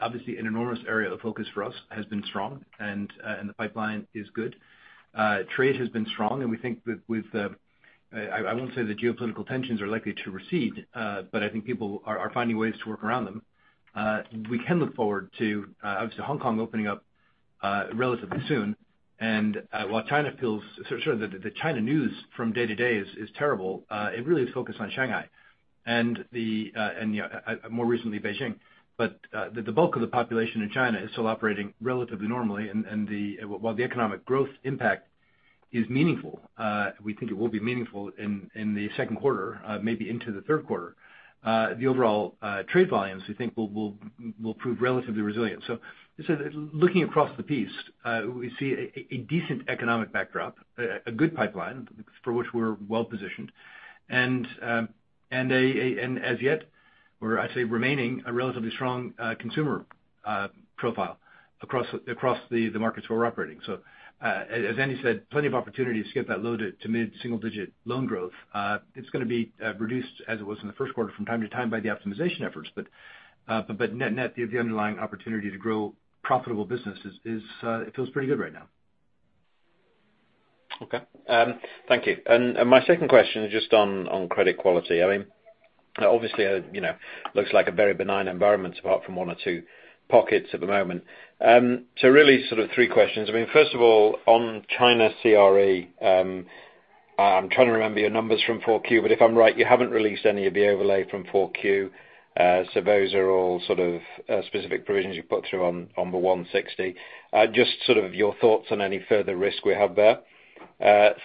obviously an enormous area of focus for us, has been strong, and the pipeline is good. Trade has been strong, and we think that I won't say the geopolitical tensions are likely to recede, but I think people are finding ways to work around them. We can look forward to, obviously, Hong Kong opening up relatively soon. While China feels sure, the China news from day to day is terrible, it really is focused on Shanghai and, you know, more recently Beijing. The bulk of the population in China is still operating relatively normally. While the economic growth impact is meaningful, we think it will be meaningful in the Q2, maybe into the Q3, the overall trade volumes we think will prove relatively resilient. Looking across the piece, we see a decent economic backdrop, a good pipeline for which we're well positioned, and as yet, we're actually remaining a relatively strong consumer profile across the markets we're operating. As Andy said, plenty of opportunity to get that low to mid single digit loan growth. It's gonna be reduced as it was in the Q1 from time to time by the optimization efforts. Net, the underlying opportunity to grow profitable businesses is, it feels pretty good right now. Okay. Thank you. My second question is just on credit quality. I mean, obviously, you know, looks like a very benign environment apart from one or two pockets at the moment. Really sort of three questions. I mean, first of all, on China CRE, I'm trying to remember your numbers from 4Q, but if I'm right, you haven't released any of the overlay from 4Q. Those are all sort of specific provisions you put through on the $160. Just sort of your thoughts on any further risk we have there.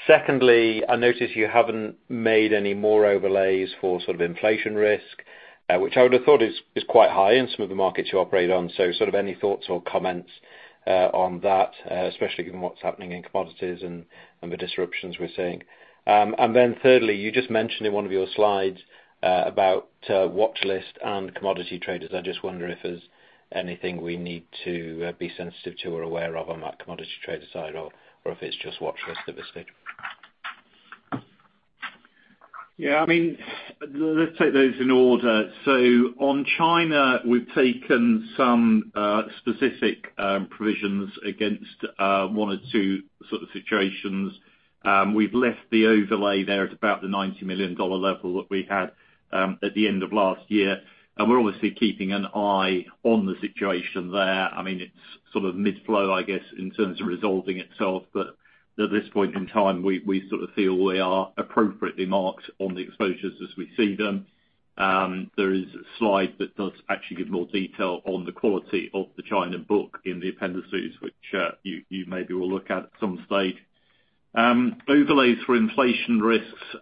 Secondly, I notice you haven't made any more overlays for sort of inflation risk, which I would have thought is quite high in some of the markets you operate in. Sort of any thoughts or comments on that, especially given what's happening in commodities and the disruptions we're seeing. Thirdly, you just mentioned in one of your slides about watchlist and commodity traders. I just wonder if there's anything we need to be sensitive to or aware of on that commodity trader side or if it's just watchlist at this stage. Yeah, I mean, let's take those in order. On China, we've taken some specific provisions against one or two sort of situations. We've left the overlay there at about the $90 million level that we had at the end of last year. We're obviously keeping an eye on the situation there. I mean, it's sort of mid flow, I guess, in terms of resolving itself. At this point in time, we sort of feel we are appropriately marked on the exposures as we see them. There is a slide that does actually give more detail on the quality of the China book in the appendices, which you maybe will look at at some stage. Overlays for inflation risks,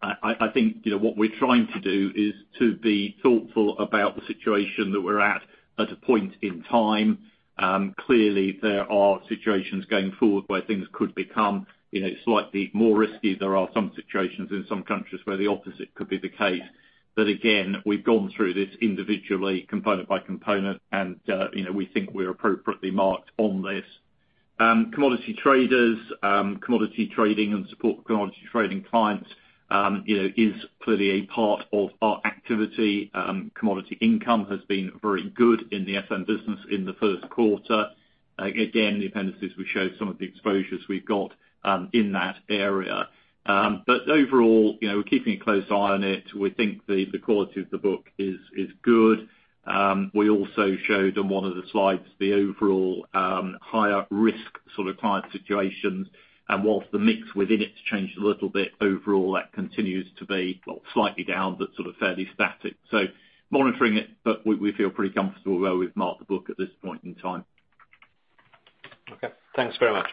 I think, you know, what we're trying to do is to be thoughtful about the situation that we're at a point in time. Clearly there are situations going forward where things could become, you know, slightly more risky. There are some situations in some countries where the opposite could be the case. Again, we've gone through this individual component by component and, you know, we think we're appropriately marked on this. Commodity traders, commodity trading and support commodity trading clients, you know, is clearly a part of our activity. Commodity income has been very good in the FM business in the Q1. Again, the appendices will show some of the exposures we've got in that area. Overall, you know, we're keeping a close eye on it. We think the quality of the book is good. We also showed on one of the slides the overall higher risk sort of client situations. While the mix within it's changed a little bit, overall, that continues to be well, slightly down, but sort of fairly static. Monitoring it, but we feel pretty comfortable where we've marked the book at this point in time. Okay. Thanks very much.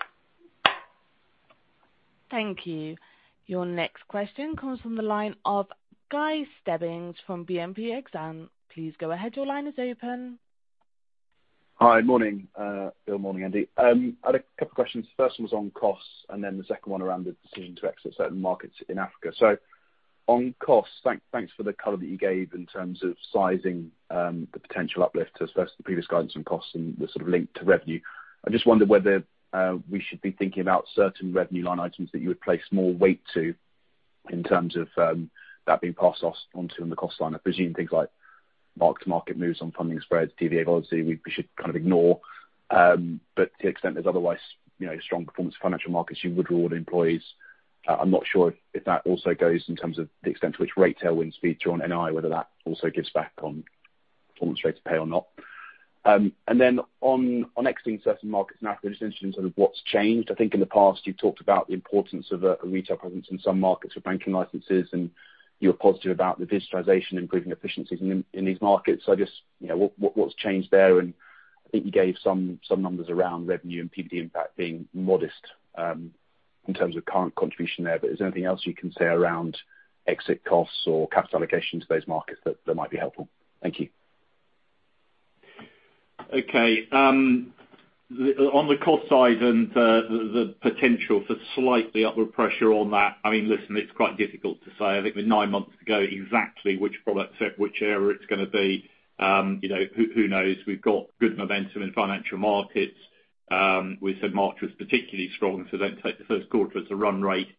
Thank you. Your next question comes from the line of Guy Stebbings from BNP Paribas Exane. Please go ahead. Your line is open. Hi. Morning. Good morning, Andy. I had a couple questions. First one was on costs, and then the second one around the decision to exit certain markets in Africa. On costs, thanks for the color that you gave in terms of sizing, the potential uplift as opposed to the previous guidance on costs and the sort of link to revenue. I just wondered whether we should be thinking about certain revenue line items that you would place more weight to in terms of that being passed off onto in the cost line. I presume things like mark-to-market moves on funding spreads, DVA volatility, we should kind of ignore. To the extent there's otherwise, you know, strong performance financial markets, you would reward employees. I'm not sure if that also goes in terms of the extent to which rate tailwinds feed through on NI, whether that also gives back on performance rate of pay or not. On exiting certain markets in Africa, just interested in sort of what's changed. I think in the past you've talked about the importance of a retail presence in some markets with banking licenses, and you're positive about the digitization improving efficiencies in these markets. I guess, you know, what's changed there? I think you gave some numbers around revenue and PBT impact being modest, in terms of current contribution there. Is there anything else you can say around exit costs or capital allocation to those markets that might be helpful? Thank you. Okay. On the cost side and the potential for slightly upward pressure on that, I mean, listen, it's quite difficult to say. I think with nine months ago, exactly which product set, which area it's gonna be, you know, who knows? We've got good momentum in Financial Markets. We said March was particularly strong, so then take the Q1 as a run rate.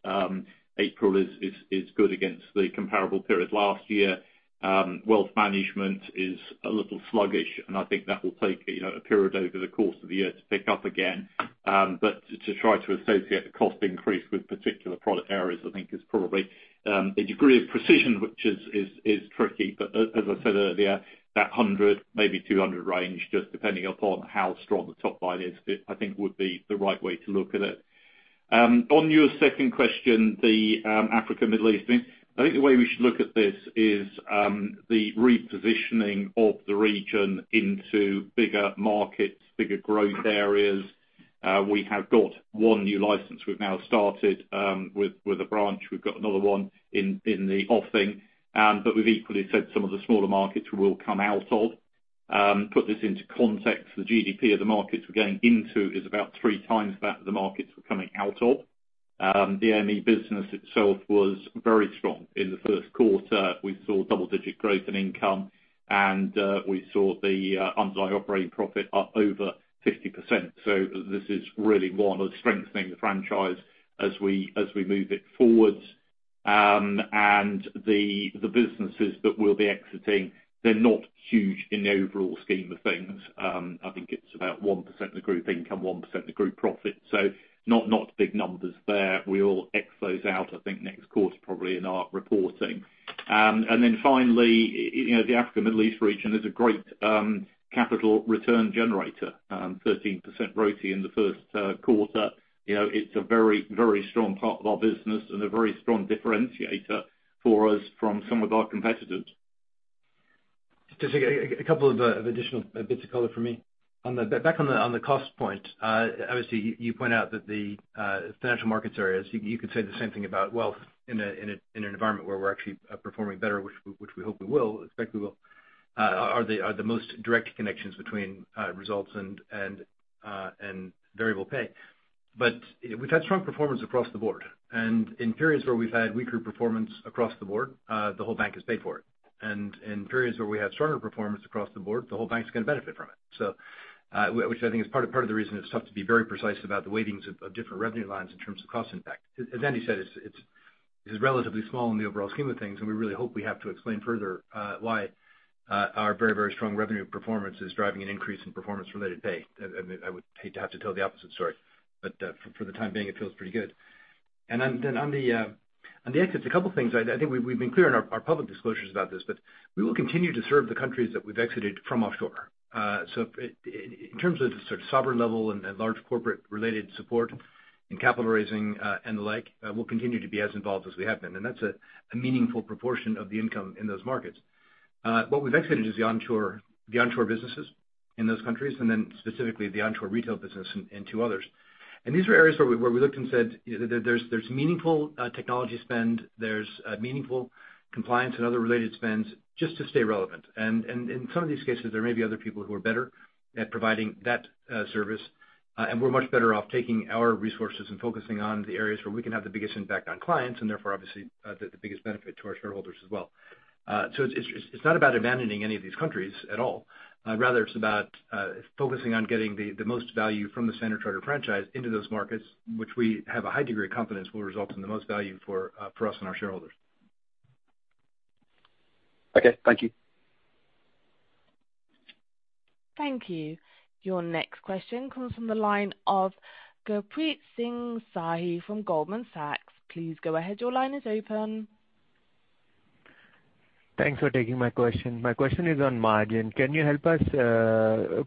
April is good against the comparable period last year. Wealth management is a little sluggish, and I think that will take, you know, a period over the course of the year to pick up again. But to try to associate the cost increase with particular product areas, I think is probably a degree of precision which is tricky. As I said earlier, that 100, maybe 200 range, just depending upon how strong the top line is, it, I think would be the right way to look at it. On your second question, Africa, Middle East thing. I think the way we should look at this is the repositioning of the region into bigger markets, bigger growth areas. We have got one new license we've now started with a branch. We've got another one in the offing. We've equally said some of the smaller markets we will come out of. Put this into context, the GDP of the markets we're going into is about 3 times that of the markets we're coming out of. The ME business itself was very strong in the Q1. We saw double-digit growth and income, and we saw the underlying operating profit up over 50%. This is really one of strengthening the franchise as we move it forward. The businesses that we'll be exiting, they're not huge in the overall scheme of things. I think it's about 1% of the group income, 1% the group profit. Not big numbers there. We'll ex those out, I think, next quarter probably in our reporting. Then finally, you know, the Africa Middle East region is a great capital return generator. 13% RoTE in the Q1. You know, it's a very, very strong part of our business and a very strong differentiator for us from some of our competitors. Just to get a couple of additional bits of color from me. Back on the cost point, obviously you point out that the financial markets areas, you could say the same thing about wealth in an environment where we're actually performing better, which we hope we will, expect we will. Are the most direct connections between results and variable pay. But we've had strong performance across the board. In periods where we've had weaker performance across the board, the whole bank has paid for it. In periods where we have stronger performance across the board, the whole bank's gonna benefit from it. Which I think is part of the reason it's tough to be very precise about the weightings of different revenue lines in terms of cost impact. As Andy said, it's relatively small in the overall scheme of things, and we really hope we have to explain further why our very, very strong revenue performance is driving an increase in performance related pay. I mean, I would hate to have to tell the opposite story, but for the time being, it feels pretty good. On the exit, a couple things. I think we've been clear in our public disclosures about this, but we will continue to serve the countries that we've exited from offshore. In terms of the sort of sovereign level and large corporate related support and capital raising, and the like, we'll continue to be as involved as we have been, and that's a meaningful proportion of the income in those markets. What we've exited is the onshore businesses in those countries, and then specifically the onshore retail business in two others. These are areas where we looked and said there's meaningful technology spend, there's meaningful compliance and other related spends just to stay relevant. Some of these cases there may be other people who are better at providing that service, and we're much better off taking our resources and focusing on the areas where we can have the biggest impact on clients and therefore obviously, the biggest benefit to our shareholders as well. It's not about abandoning any of these countries at all. Rather it's about focusing on getting the most value from the Standard Chartered franchise into those markets, which we have a high degree of confidence will result in the most value for us and our shareholders. Okay, thank you. Thank you. Your next question comes from the line of Gurpreet Singh Sahi from Goldman Sachs. Please go ahead. Your line is open. Thanks for taking my question. My question is on margin. Can you help us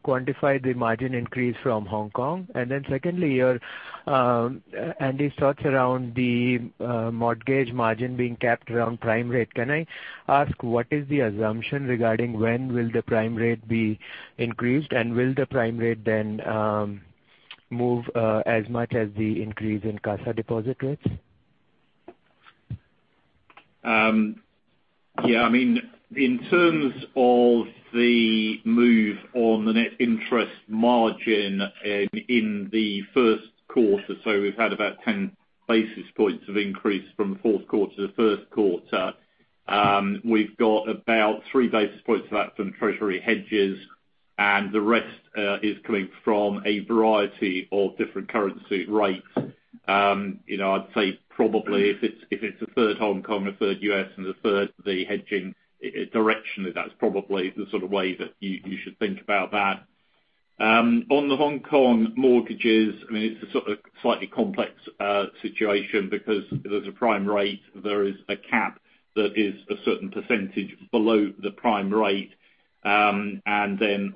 quantify the margin increase from Hong Kong? Then secondly, your Andy thoughts around the mortgage margin being capped around prime rate. Can I ask what is the assumption regarding when will the prime rate be increased? Will the prime rate then move as much as the increase in CASA deposit rates? Yeah, I mean, in terms of the move on the net interest margin in the Q1, we've had about 10 basis points of increase from the Q4-Q1. We've got about 3 basis points of that from treasury hedges, and the rest is coming from a variety of different currency rates. You know, I'd say probably if it's a third Hong Kong, a third U.S., and a third the hedging, directionally that's probably the sort of way that you should think about that. On the Hong Kong mortgages, I mean, it's a sort of slightly complex situation because there's a prime rate, there is a cap that is a certain percentage below the prime rate.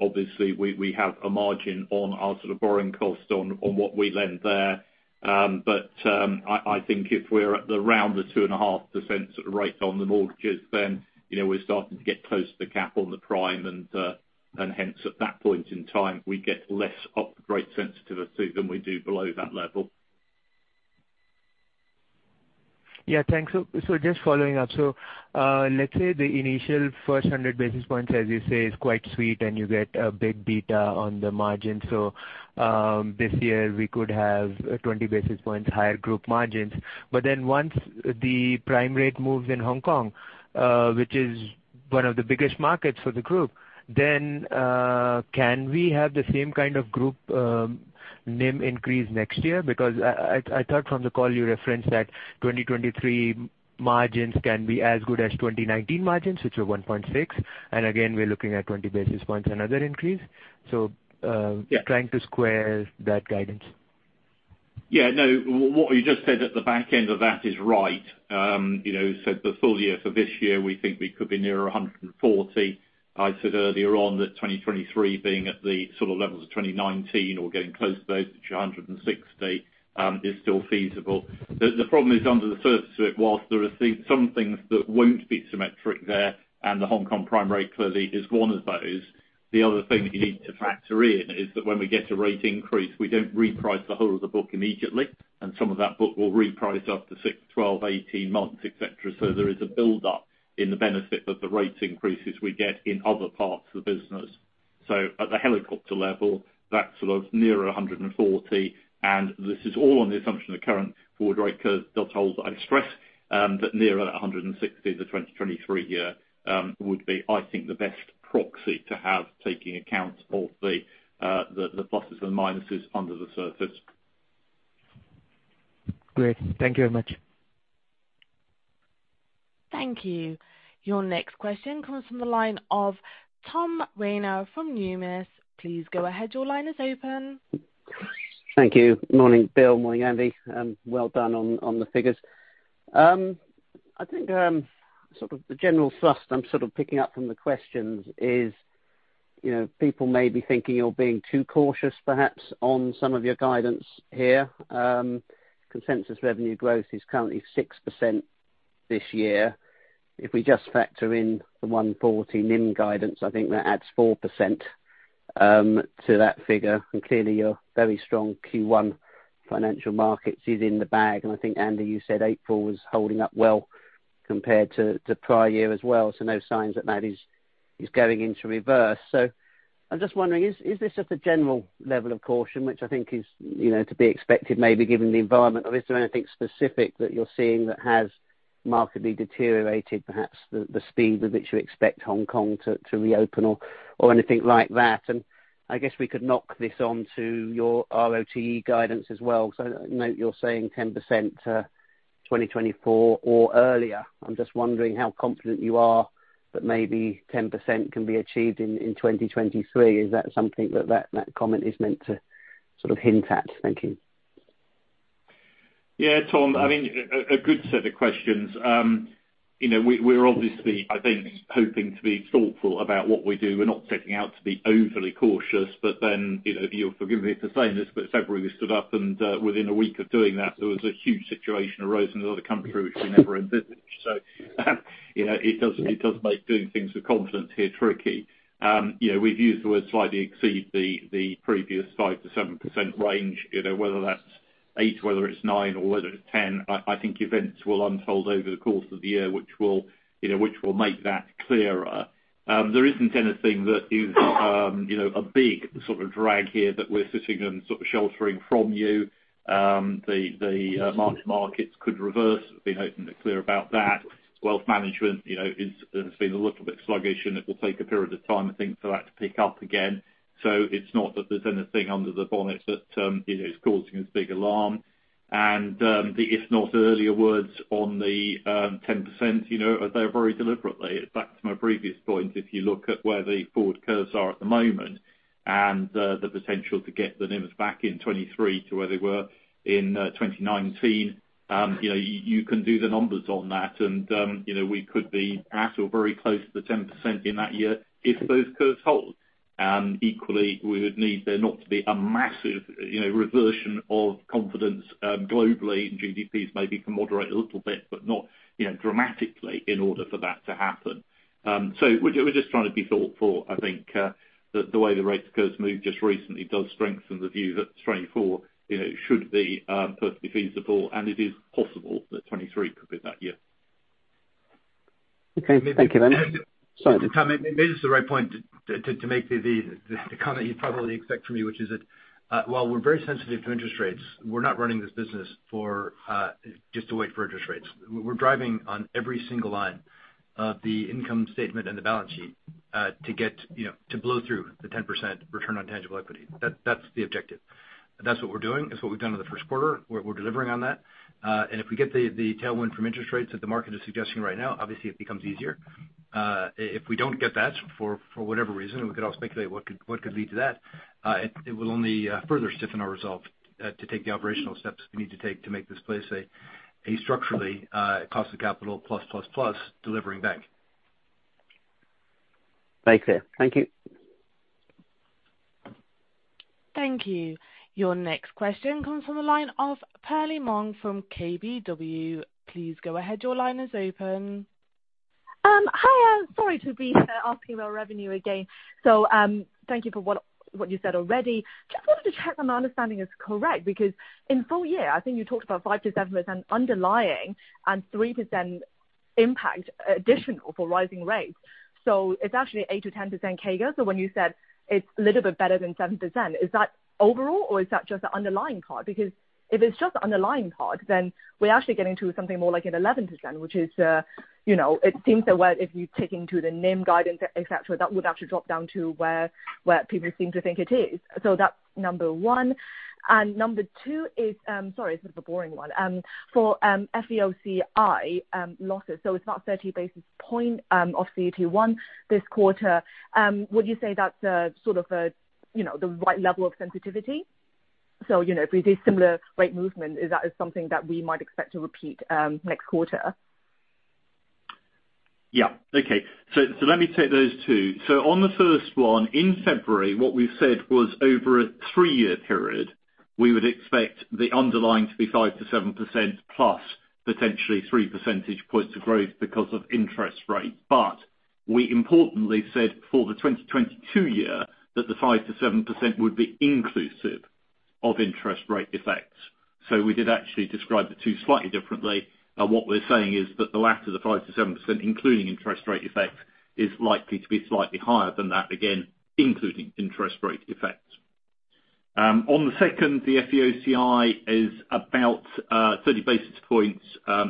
Obviously we have a margin on our sort of borrowing cost on what we lend there. I think if we're at around the 2.5% rate on the mortgages, then, you know, we're starting to get close to the cap on the prime and hence at that point in time, we get less upward rate sensitivity than we do below that level. Yeah, thanks. Just following up. Let's say the initial first 100 basis points, as you say, is quite sweet and you get a big beta on the margin. This year we could have 20 basis points higher group margins. Once the prime rate moves in Hong Kong, which is one of the biggest markets for the group, can we have the same kind of group NIM increase next year? I thought from the call you referenced that 2023 margins can be as good as 2019 margins, which were 1.6%. We're looking at 20 basis points another increase. Yeah. Trying to square that guidance. Yeah, no. What you just said at the back end of that is right. You know, so the full year for this year, we think we could be nearer $140. I said earlier on that 2023 being at the sort of levels of 2019 or getting close to those, which are $160, is still feasible. The problem is under the surface of it, while there are some things that won't be symmetric there, and the Hong Kong prime rate clearly is one of those. The other thing that you need to factor in is that when we get a rate increase, we don't reprice the whole of the book immediately, and some of that book will reprice after six, 12, 18 months, et cetera. There is a build up in the benefit of the rate increases we get in other parts of the business. At the helicopter level, that's sort of nearer $140. This is all on the assumption the current forward rate curve does hold. I stress that nearer $160 the 2023 year would be, I think, the best proxy to have taking account of the pluses and minuses under the surface. Great. Thank you very much. Thank you. Your next question comes from the line of Tom Rayner from Numis. Please go ahead. Your line is open. Thank you. Morning, Bill. Morning, Andy. Well done on the figures. I think sort of the general thrust I'm sort of picking up from the questions is, you know, people may be thinking you're being too cautious perhaps on some of your guidance here. Consensus revenue growth is currently 6% this year. If we just factor in the 140 NIM guidance, I think that adds 4% to that figure. Clearly your very strong Q1 financial markets is in the bag. I think, Andy, you said April was holding up well compared to prior year as well. No signs that that is going into reverse. I'm just wondering, is this just a general level of caution, which I think is, you know, to be expected maybe given the environment? Is there anything specific that you're seeing that has markedly deteriorated perhaps the speed with which you expect Hong Kong to reopen or anything like that? I guess we could knock this onto your ROTE guidance as well. Note you're saying 10%, 2024 or earlier. I'm just wondering how confident you are that maybe 10% can be achieved in 2023. Is that something that comment is meant to sort of hint at? Thank you. Yeah, Tom. I mean, good set of questions. You know, we're obviously, I think, hoping to be thoughtful about what we do. We're not setting out to be overly cautious. You know, you'll forgive me for saying this, but February we stood up, and within a week of doing that, there was a huge situation arose in another country which we never envisaged. It does make doing things with confidence here tricky. You know, we've used the word slightly exceed the previous 5%-7% range. You know, whether that's 8%, whether it's 9%, or whether it's 10%, I think events will unfold over the course of the year, which will make that clearer. There isn't anything that is, you know, a big sort of drag here that we're sitting and sort of sheltering from you. The mark-to-market could reverse. We've been hoping to be clear about that. Wealth management, you know, has been a little bit sluggish, and it will take a period of time, I think, for that to pick up again. It's not that there's anything under the bonnet that, you know, is causing this big alarm. The "if not earlier" words on the 10%, you know, are there very deliberately. Back to my previous point, if you look at where the forward curves are at the moment and the potential to get the NIMs back in 2023 to where they were in 2019. You know, you can do the numbers on that and, you know, we could be at or very close to the 10% in that year if those curves hold. Equally, we would need there not to be a massive, you know, reversion of confidence, globally. GDPs maybe can moderate a little bit, but not, you know, dramatically in order for that to happen. We're just trying to be thoughtful. I think, the way the rates curves moved just recently does strengthen the view that 2024, you know, should be perfectly feasible, and it is possible that 2023 could be that year. Okay. Thank you very much. Sorry. Tom, maybe this is the right point to make the comment you'd probably expect from me, which is that while we're very sensitive to interest rates, we're not running this business for just to wait for interest rates. We're driving on every single line of the income statement and the balance sheet to get, you know, to blow through the 10% return on tangible equity. That's the objective. That's what we're doing. That's what we've done in the Q1. We're delivering on that. And if we get the tailwind from interest rates that the market is suggesting right now, obviously it becomes easier. If we don't get that for whatever reason, and we could all speculate what could lead to that, it will only further stiffen our resolve to take the operational steps we need to take to make this place a structurally cost of capital plus delivering bank. Very clear. Thank you. Thank you. Your next question comes from the line of Perlie Mong from KBW. Please go ahead. Your line is open. Hi. Sorry to be asking about revenue again. Thank you for what you said already. Just wanted to check that my understanding is correct, because in full year, I think you talked about 5%-7% underlying and 3%... Impact additional for rising rates. It's actually 8%-10% CAGR. When you said it's a little bit better than 7%, is that overall or is that just the underlying part? Because if it's just the underlying part, then we're actually getting to something more like an 11%, which is, you know, it seems that what if you take into the NIM guidance, et cetera, that would actually drop down to where people seem to think it is. That's number one. Number two is, sorry, it's a bit of a boring one. For FVOCI losses. It's not 30 basis points of CET1 this quarter. Would you say that's a sort of the right level of sensitivity? You know, if we do similar rate movement, is that something that we might expect to repeat next quarter? Yeah. Okay. Let me take those two. On the first one, in February, what we said was over a three-year period, we would expect the underlying to be 5%-7% plus potentially 3 percentage points of growth because of interest rates. We importantly said for the 2022 year that the 5%-7% would be inclusive of interest rate effects. We did actually describe the two slightly differently. What we're saying is that the latter, the 5%-7%, including interest rate effect, is likely to be slightly higher than that, again, including interest rate effect. On the second, the FVOCI is about 30 basis points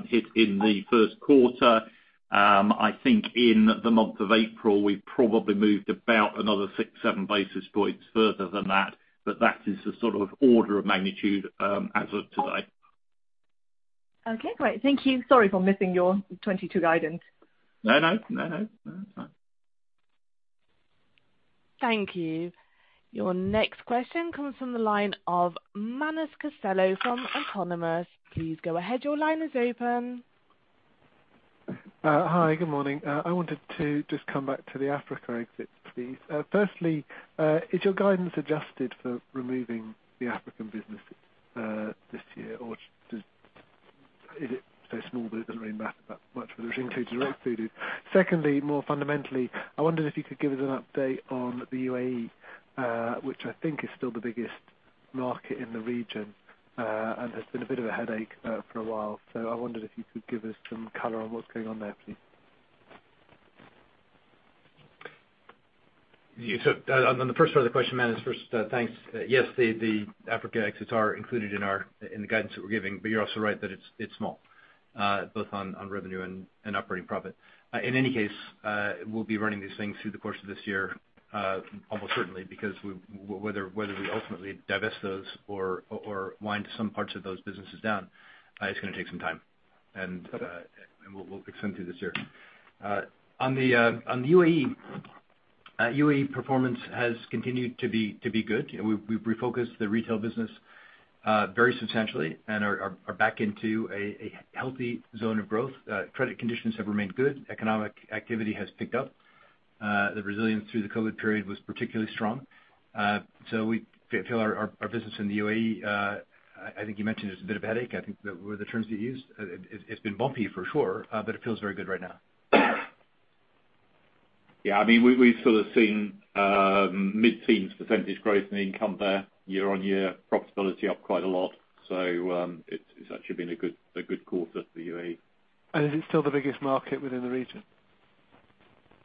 hit in the Q1. I think in the month of April, we probably moved about another 6-7 basis points further than that, but that is the sort of order of magnitude, as of today. Okay, great. Thank you. Sorry for missing your 2022 guidance. No, it's fine. Thank you. Your next question comes from the line of Manus Costello from Autonomous. Please go ahead. Your line is open. Hi, good morning. I wanted to just come back to the Africa exit, please. Firstly, is your guidance adjusted for removing the African business, this year, or is it so small that it doesn't really matter that much whether it's included or excluded? Secondly, more fundamentally, I wondered if you could give us an update on the UAE, which I think is still the biggest market in the region, and has been a bit of a headache, for a while. I wondered if you could give us some color on what's going on there, please. Yeah, on the first part of the question, Manus, first, thanks. Yes, the Africa exits are included in our guidance that we're giving, but you're also right that it's small, both on revenue and operating profit. In any case, we'll be running these things through the course of this year, almost certainly because whether we ultimately divest those or wind some parts of those businesses down, it's gonna take some time. Okay. We'll extend through this year. On the UAE performance has continued to be good. We've refocused the retail business very substantially and are back into a healthy zone of growth. Credit conditions have remained good. Economic activity has picked up. The resilience through the COVID period was particularly strong. We feel our business in the UAE. I think you mentioned it's a bit of a headache. I think that were the terms you used. It's been bumpy for sure, but it feels very good right now. Yeah. I mean, we've sort of seen mid-teens percentage growth in the income there year-on-year. Profitability up quite a lot. It's actually been a good quarter for UAE. Is it still the biggest market within the region?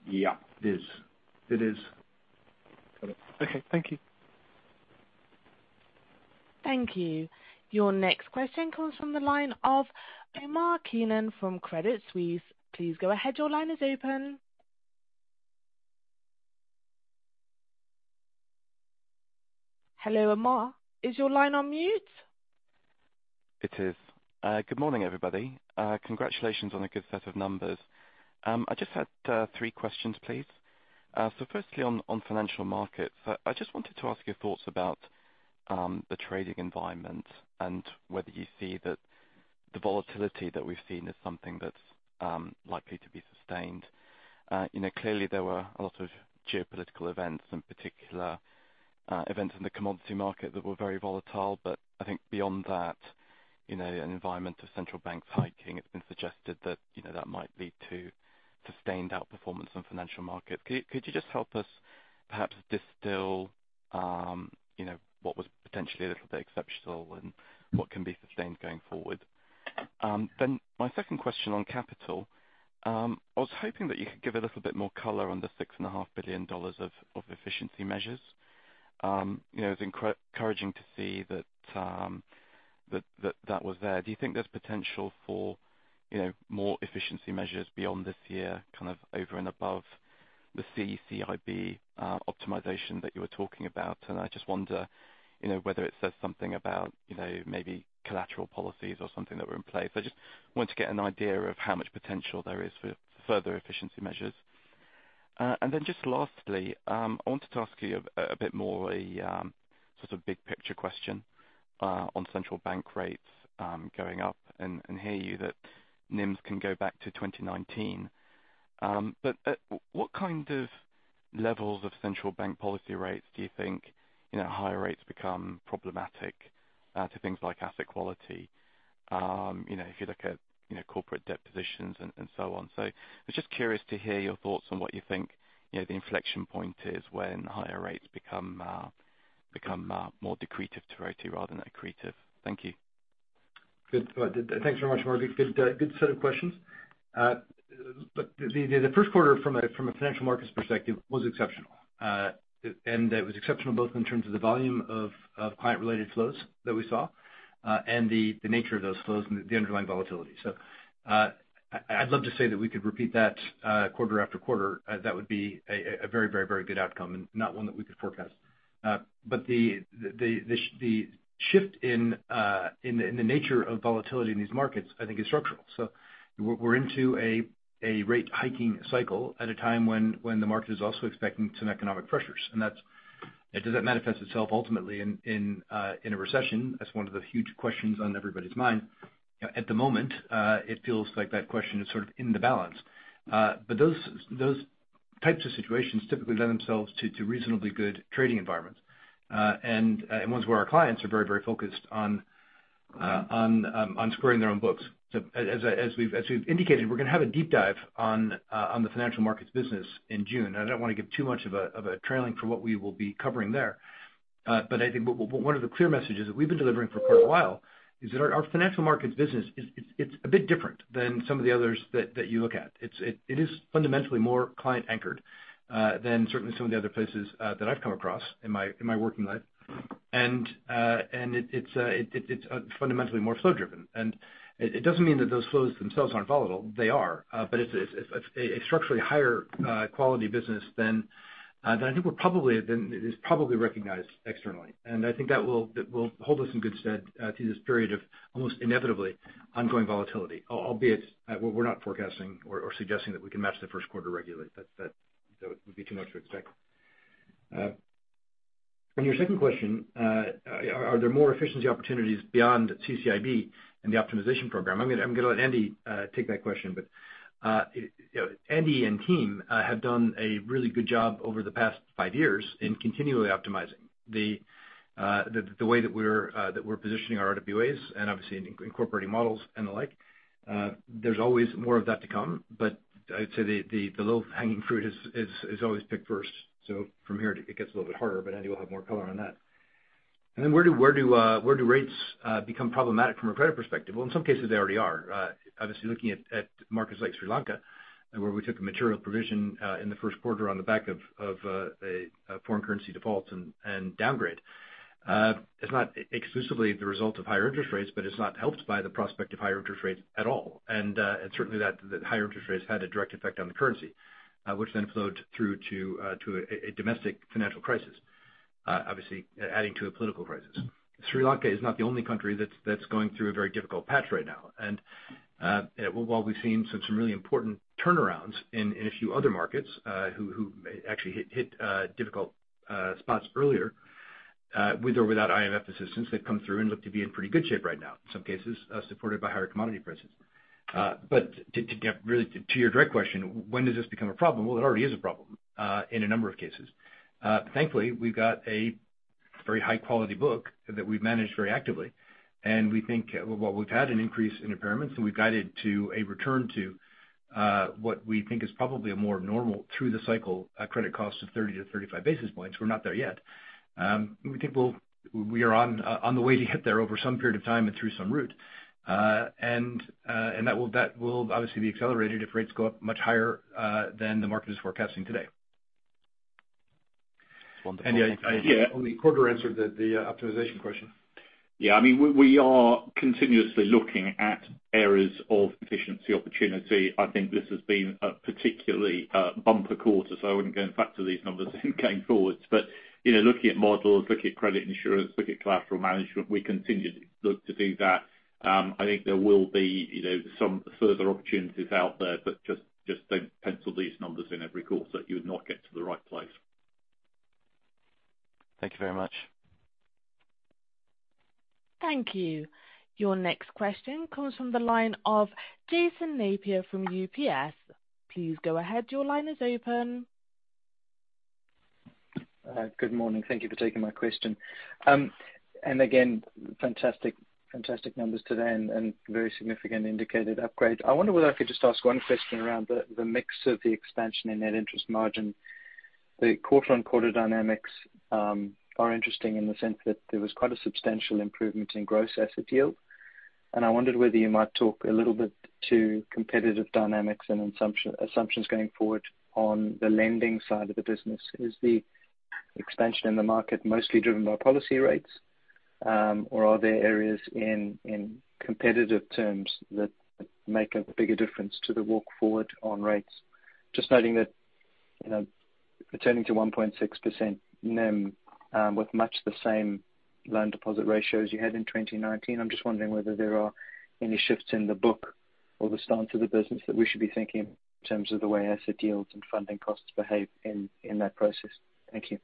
Yeah. It is. Got it. Okay. Thank you. Thank you. Your next question comes from the line of Omar Keenan from Credit Suisse. Please go ahead. Your line is open. Hello, Omar. Is your line on mute? It is. Good morning, everybody. Congratulations on a good set of numbers. I just had three questions, please. First, on Financial Markets, I just wanted to ask your thoughts about the trading environment and whether you see that the volatility that we've seen is something that's likely to be sustained. You know, clearly there were a lot of geopolitical events, in particular, events in the commodity market that were very volatile, but I think beyond that, you know, an environment of central banks hiking. It's been suggested that, you know, that might lead to sustained outperformance on Financial Markets. Could you just help us perhaps distill, you know, what was potentially a little bit exceptional and what can be sustained going forward? My second question on capital, I was hoping that you could give a little bit more color on the $6.5 billion of efficiency measures. You know, it's encouraging to see that was there. Do you think there's potential for, you know, more efficiency measures beyond this year, kind of over and above the CCIB optimization that you were talking about? And I just wonder, you know, whether it says something about, you know, maybe collateral policies or something that were in place. I just want to get an idea of how much potential there is for further efficiency measures. Just lastly, I wanted to ask you a bit more sort of big picture question on central bank rates going up, and hear you that NIMS can go back to 2019. What kind of levels of central bank policy rates do you think higher rates become problematic to things like asset quality? You know, if you look at corporate debt positions and so on. I was just curious to hear your thoughts on what you think the inflection point is when higher rates become more detrimental to RoTE rather than accretive. Thank you. Good. Thanks very much, Mark. Good set of questions. The Q1 from a financial markets perspective was exceptional. It was exceptional both in terms of the volume of client-related flows that we saw, and the nature of those flows and the underlying volatility. I'd love to say that we could repeat that quarter after quarter. That would be a very good outcome and not one that we could forecast. The shift in the nature of volatility in these markets, I think is structural. We're into a rate hiking cycle at a time when the market is also expecting some economic pressures. That's. Does that manifest itself ultimately in a recession? That's one of the huge questions on everybody's mind. At the moment, it feels like that question is sort of in the balance. Those types of situations typically lend themselves to reasonably good trading environments, and ones where our clients are very focused on squaring their own books. As we've indicated, we're gonna have a deep dive on the Financial Markets business in June. I don't wanna give too much of a teaser for what we will be covering there. I think one of the clear messages that we've been delivering for quite a while is that our Financial Markets business is. It's a bit different than some of the others that you look at. It is fundamentally more client-anchored than certainly some of the other places that I've come across in my working life. It's fundamentally more flow-driven. It doesn't mean that those flows themselves aren't volatile. They are. It's a structurally higher quality business than I think it is probably recognized externally. I think that will hold us in good stead through this period of almost inevitably ongoing volatility, albeit we're not forecasting or suggesting that we can match the first quarter regularly. That would be too much to expect. On your second question, are there more efficiency opportunities beyond CCIB and the optimization program? I'm gonna let Andy take that question. You know, Andy and team have done a really good job over the past five years in continually optimizing the way that we're positioning our RWAs and obviously in incorporating models and the like. There's always more of that to come, but I'd say the low-hanging fruit is always picked first. From here it gets a little bit harder, but Andy will have more color on that. Where do rates become problematic from a credit perspective? Well, in some cases, they already are. Obviously looking at markets like Sri Lanka, where we took a material provision in the Q1 on the back of a foreign currency default and downgrade. It's not exclusively the result of higher interest rates, but it's not helped by the prospect of higher interest rates at all. Certainly that, the higher interest rates had a direct effect on the currency, which then flowed through to a domestic financial crisis, obviously adding to a political crisis. Sri Lanka is not the only country that's going through a very difficult patch right now. While we've seen some really important turnarounds in a few other markets, who actually hit difficult spots earlier, with or without IMF assistance, they've come through and look to be in pretty good shape right now, in some cases, supported by higher commodity prices. To get really to your direct question, when does this become a problem? Well, it already is a problem in a number of cases. Thankfully, we've got a very high-quality book that we've managed very actively, and we think while we've had an increase in impairments, and we've guided to a return to what we think is probably a more normal through the cycle credit cost of 30-35 basis points. We're not there yet. We think we are on the way to hit there over some period of time and through some route. That will obviously be accelerated if rates go up much higher than the market is forecasting today. Wonderful. Andy. Yeah. Only quarter answer the optimization question. Yeah. I mean, we are continuously looking at areas of efficiency opportunity. I think this has been a particularly bumper quarter, so I wouldn't go and factor these numbers in going forward. You know, looking at models, looking at credit insurance, looking at collateral management, we continue to look to do that. I think there will be, you know, some further opportunities out there, but just don't pencil these numbers in every quarter. You would not get to the right place. Thank you very much. Thank you. Your next question comes from the line of Jason Napier from UBS. Please go ahead. Your line is open. Good morning. Thank you for taking my question. Again, fantastic numbers today and very significant indicated upgrade. I wonder whether I could just ask one question around the mix of the expansion in net interest margin. The quarter-on-quarter dynamics are interesting in the sense that there was quite a substantial improvement in gross asset yield, and I wondered whether you might talk a little bit to competitive dynamics and assumptions going forward on the lending side of the business. Is the expansion in the market mostly driven by policy rates, or are there areas in competitive terms that make a bigger difference to the walk forward on rates? Just noting that, you know, returning to 1.6% NIM with much the same loan deposit ratios you had in 2019, I'm just wondering whether there are any shifts in the book or the stance of the business that we should be thinking in terms of the way asset yields and funding costs behave in that process. Thank you.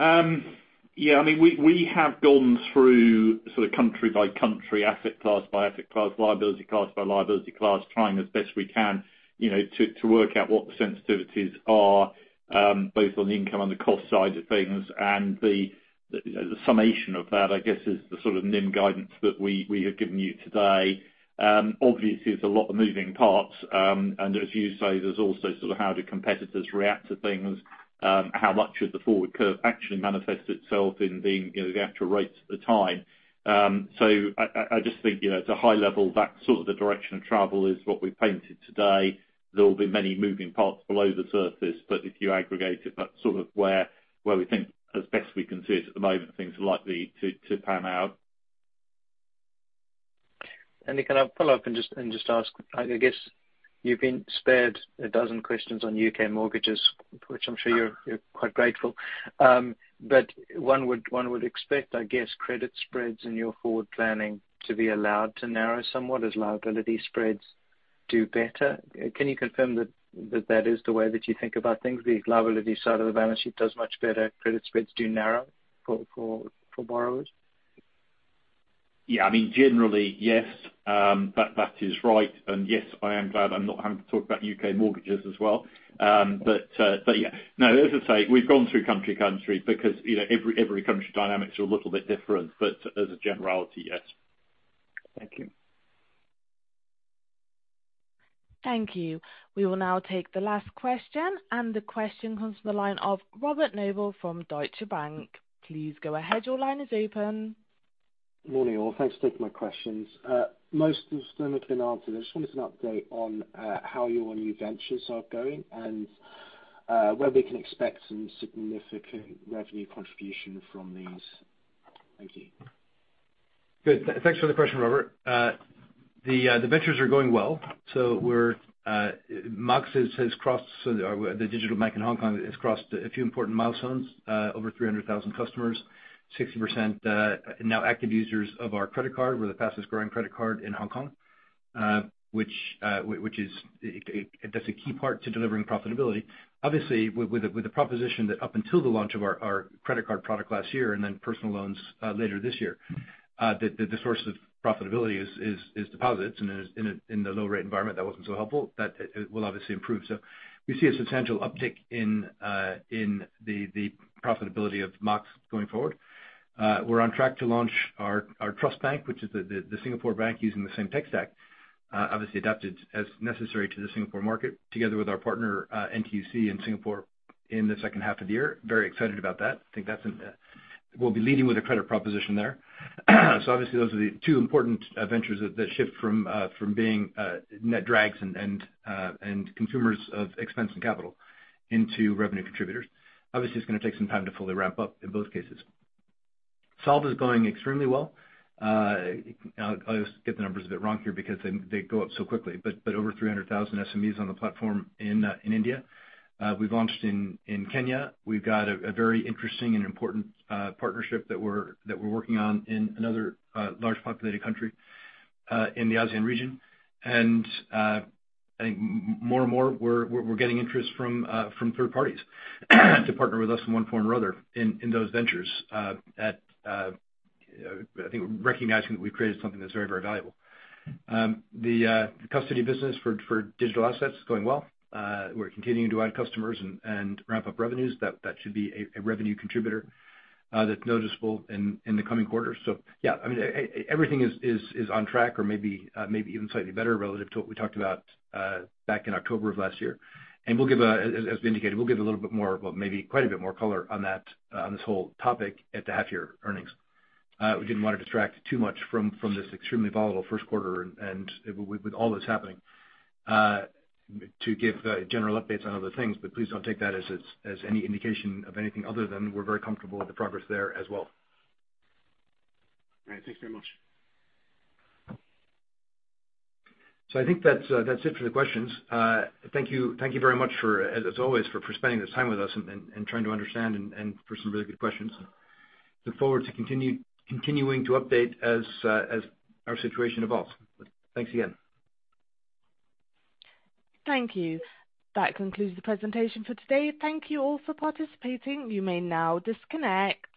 Yeah, I mean, we have gone through sort of country by country, asset class by asset class, liability class by liability class, trying as best we can, you know, to work out what the sensitivities are, both on the income and the cost side of things. The summation of that, I guess, is the sort of NIM guidance that we have given you today. Obviously, it's a lot of moving parts. As you say, there's also sort of how do competitors react to things? How much of the forward curve actually manifests itself in being, you know, the actual rates at the time. I just think, you know, at a high level, that's sort of the direction of travel is what we've painted today. There will be many moving parts below the surface, but if you aggregate it, that's sort of where we think as best we can see it at the moment, things are likely to pan out. Andy, can I follow up and just ask, I guess you've been spared a dozen questions on UK mortgages, which I'm sure you're quite grateful. But one would expect, I guess, credit spreads in your forward planning to be allowed to narrow somewhat as liability spreads do better. Can you confirm that that is the way that you think about things? The liability side of the balance sheet does much better, credit spreads do narrow for borrowers? Yeah. I mean, generally, yes, that is right. Yes, I am glad I'm not having to talk about U.K. mortgages as well. Yeah. No, as I say, we've gone through country because, you know, every country dynamics are a little bit different. As a generality, yes. Thank you. Thank you. We will now take the last question, and the question comes from the line of Robert Noble from Deutsche Bank. Please go ahead. Your line is open. Morning, all. Thanks for taking my questions. Most of them have been answered. I just wanted an update on how your new ventures are going and whether we can expect some significant revenue contribution from these. Thank you. Good. Thanks for the question, Robert. The Ventures are going well. Mox, the digital bank in Hong Kong, has crossed a few important milestones, over 300,000 customers. 60% are now active users of our credit card. We're the fastest growing credit card in Hong Kong. That's a key part to delivering profitability. Obviously, with the proposition that up until the launch of our credit card product last year and then personal loans later this year, the source of profitability is deposits. In the low rate environment, that wasn't so helpful. It will obviously improve. We see a substantial uptick in the profitability of Mox going forward. We're on track to launch our Trust, which is the Singapore bank, using the same tech stack, obviously adapted as necessary to the Singapore market, together with our partner, NTUC in Singapore in the H2 of the year. Very excited about that. I think that's. We'll be leading with a credit proposition there. Obviously those are the two important ventures that shift from being net drags and consumers of expense and capital into revenue contributors. Obviously, it's gonna take some time to fully ramp up in both cases. Solv is going extremely well. I'll get the numbers a bit wrong here because they go up so quickly, but over 300,000 SMEs on the platform in India. We've launched in Kenya. We've got a very interesting and important partnership that we're working on in another large populated country in the ASEAN region. I think more and more we're getting interest from third parties to partner with us in one form or other in those ventures, I think recognizing that we've created something that's very, very valuable. The custody business for digital assets is going well. We're continuing to add customers and ramp up revenues. That should be a revenue contributor that's noticeable in the coming quarters. Yeah, I mean, everything is on track or maybe even slightly better relative to what we talked about back in October of last year. We'll give a little bit more, well, maybe quite a bit more color on that on this whole topic at the half year earnings. We didn't wanna distract too much from this extremely volatile Q1 and with all that's happening to give general updates on other things, but please don't take that as any indication of anything other than we're very comfortable with the progress there as well. All right. Thanks very much. I think that's it for the questions. Thank you very much for, as always, for spending this time with us and trying to understand and for some really good questions. Look forward to continuing to update as our situation evolves. Thanks again. Thank you. That concludes the presentation for today. Thank you all for participating. You may now disconnect.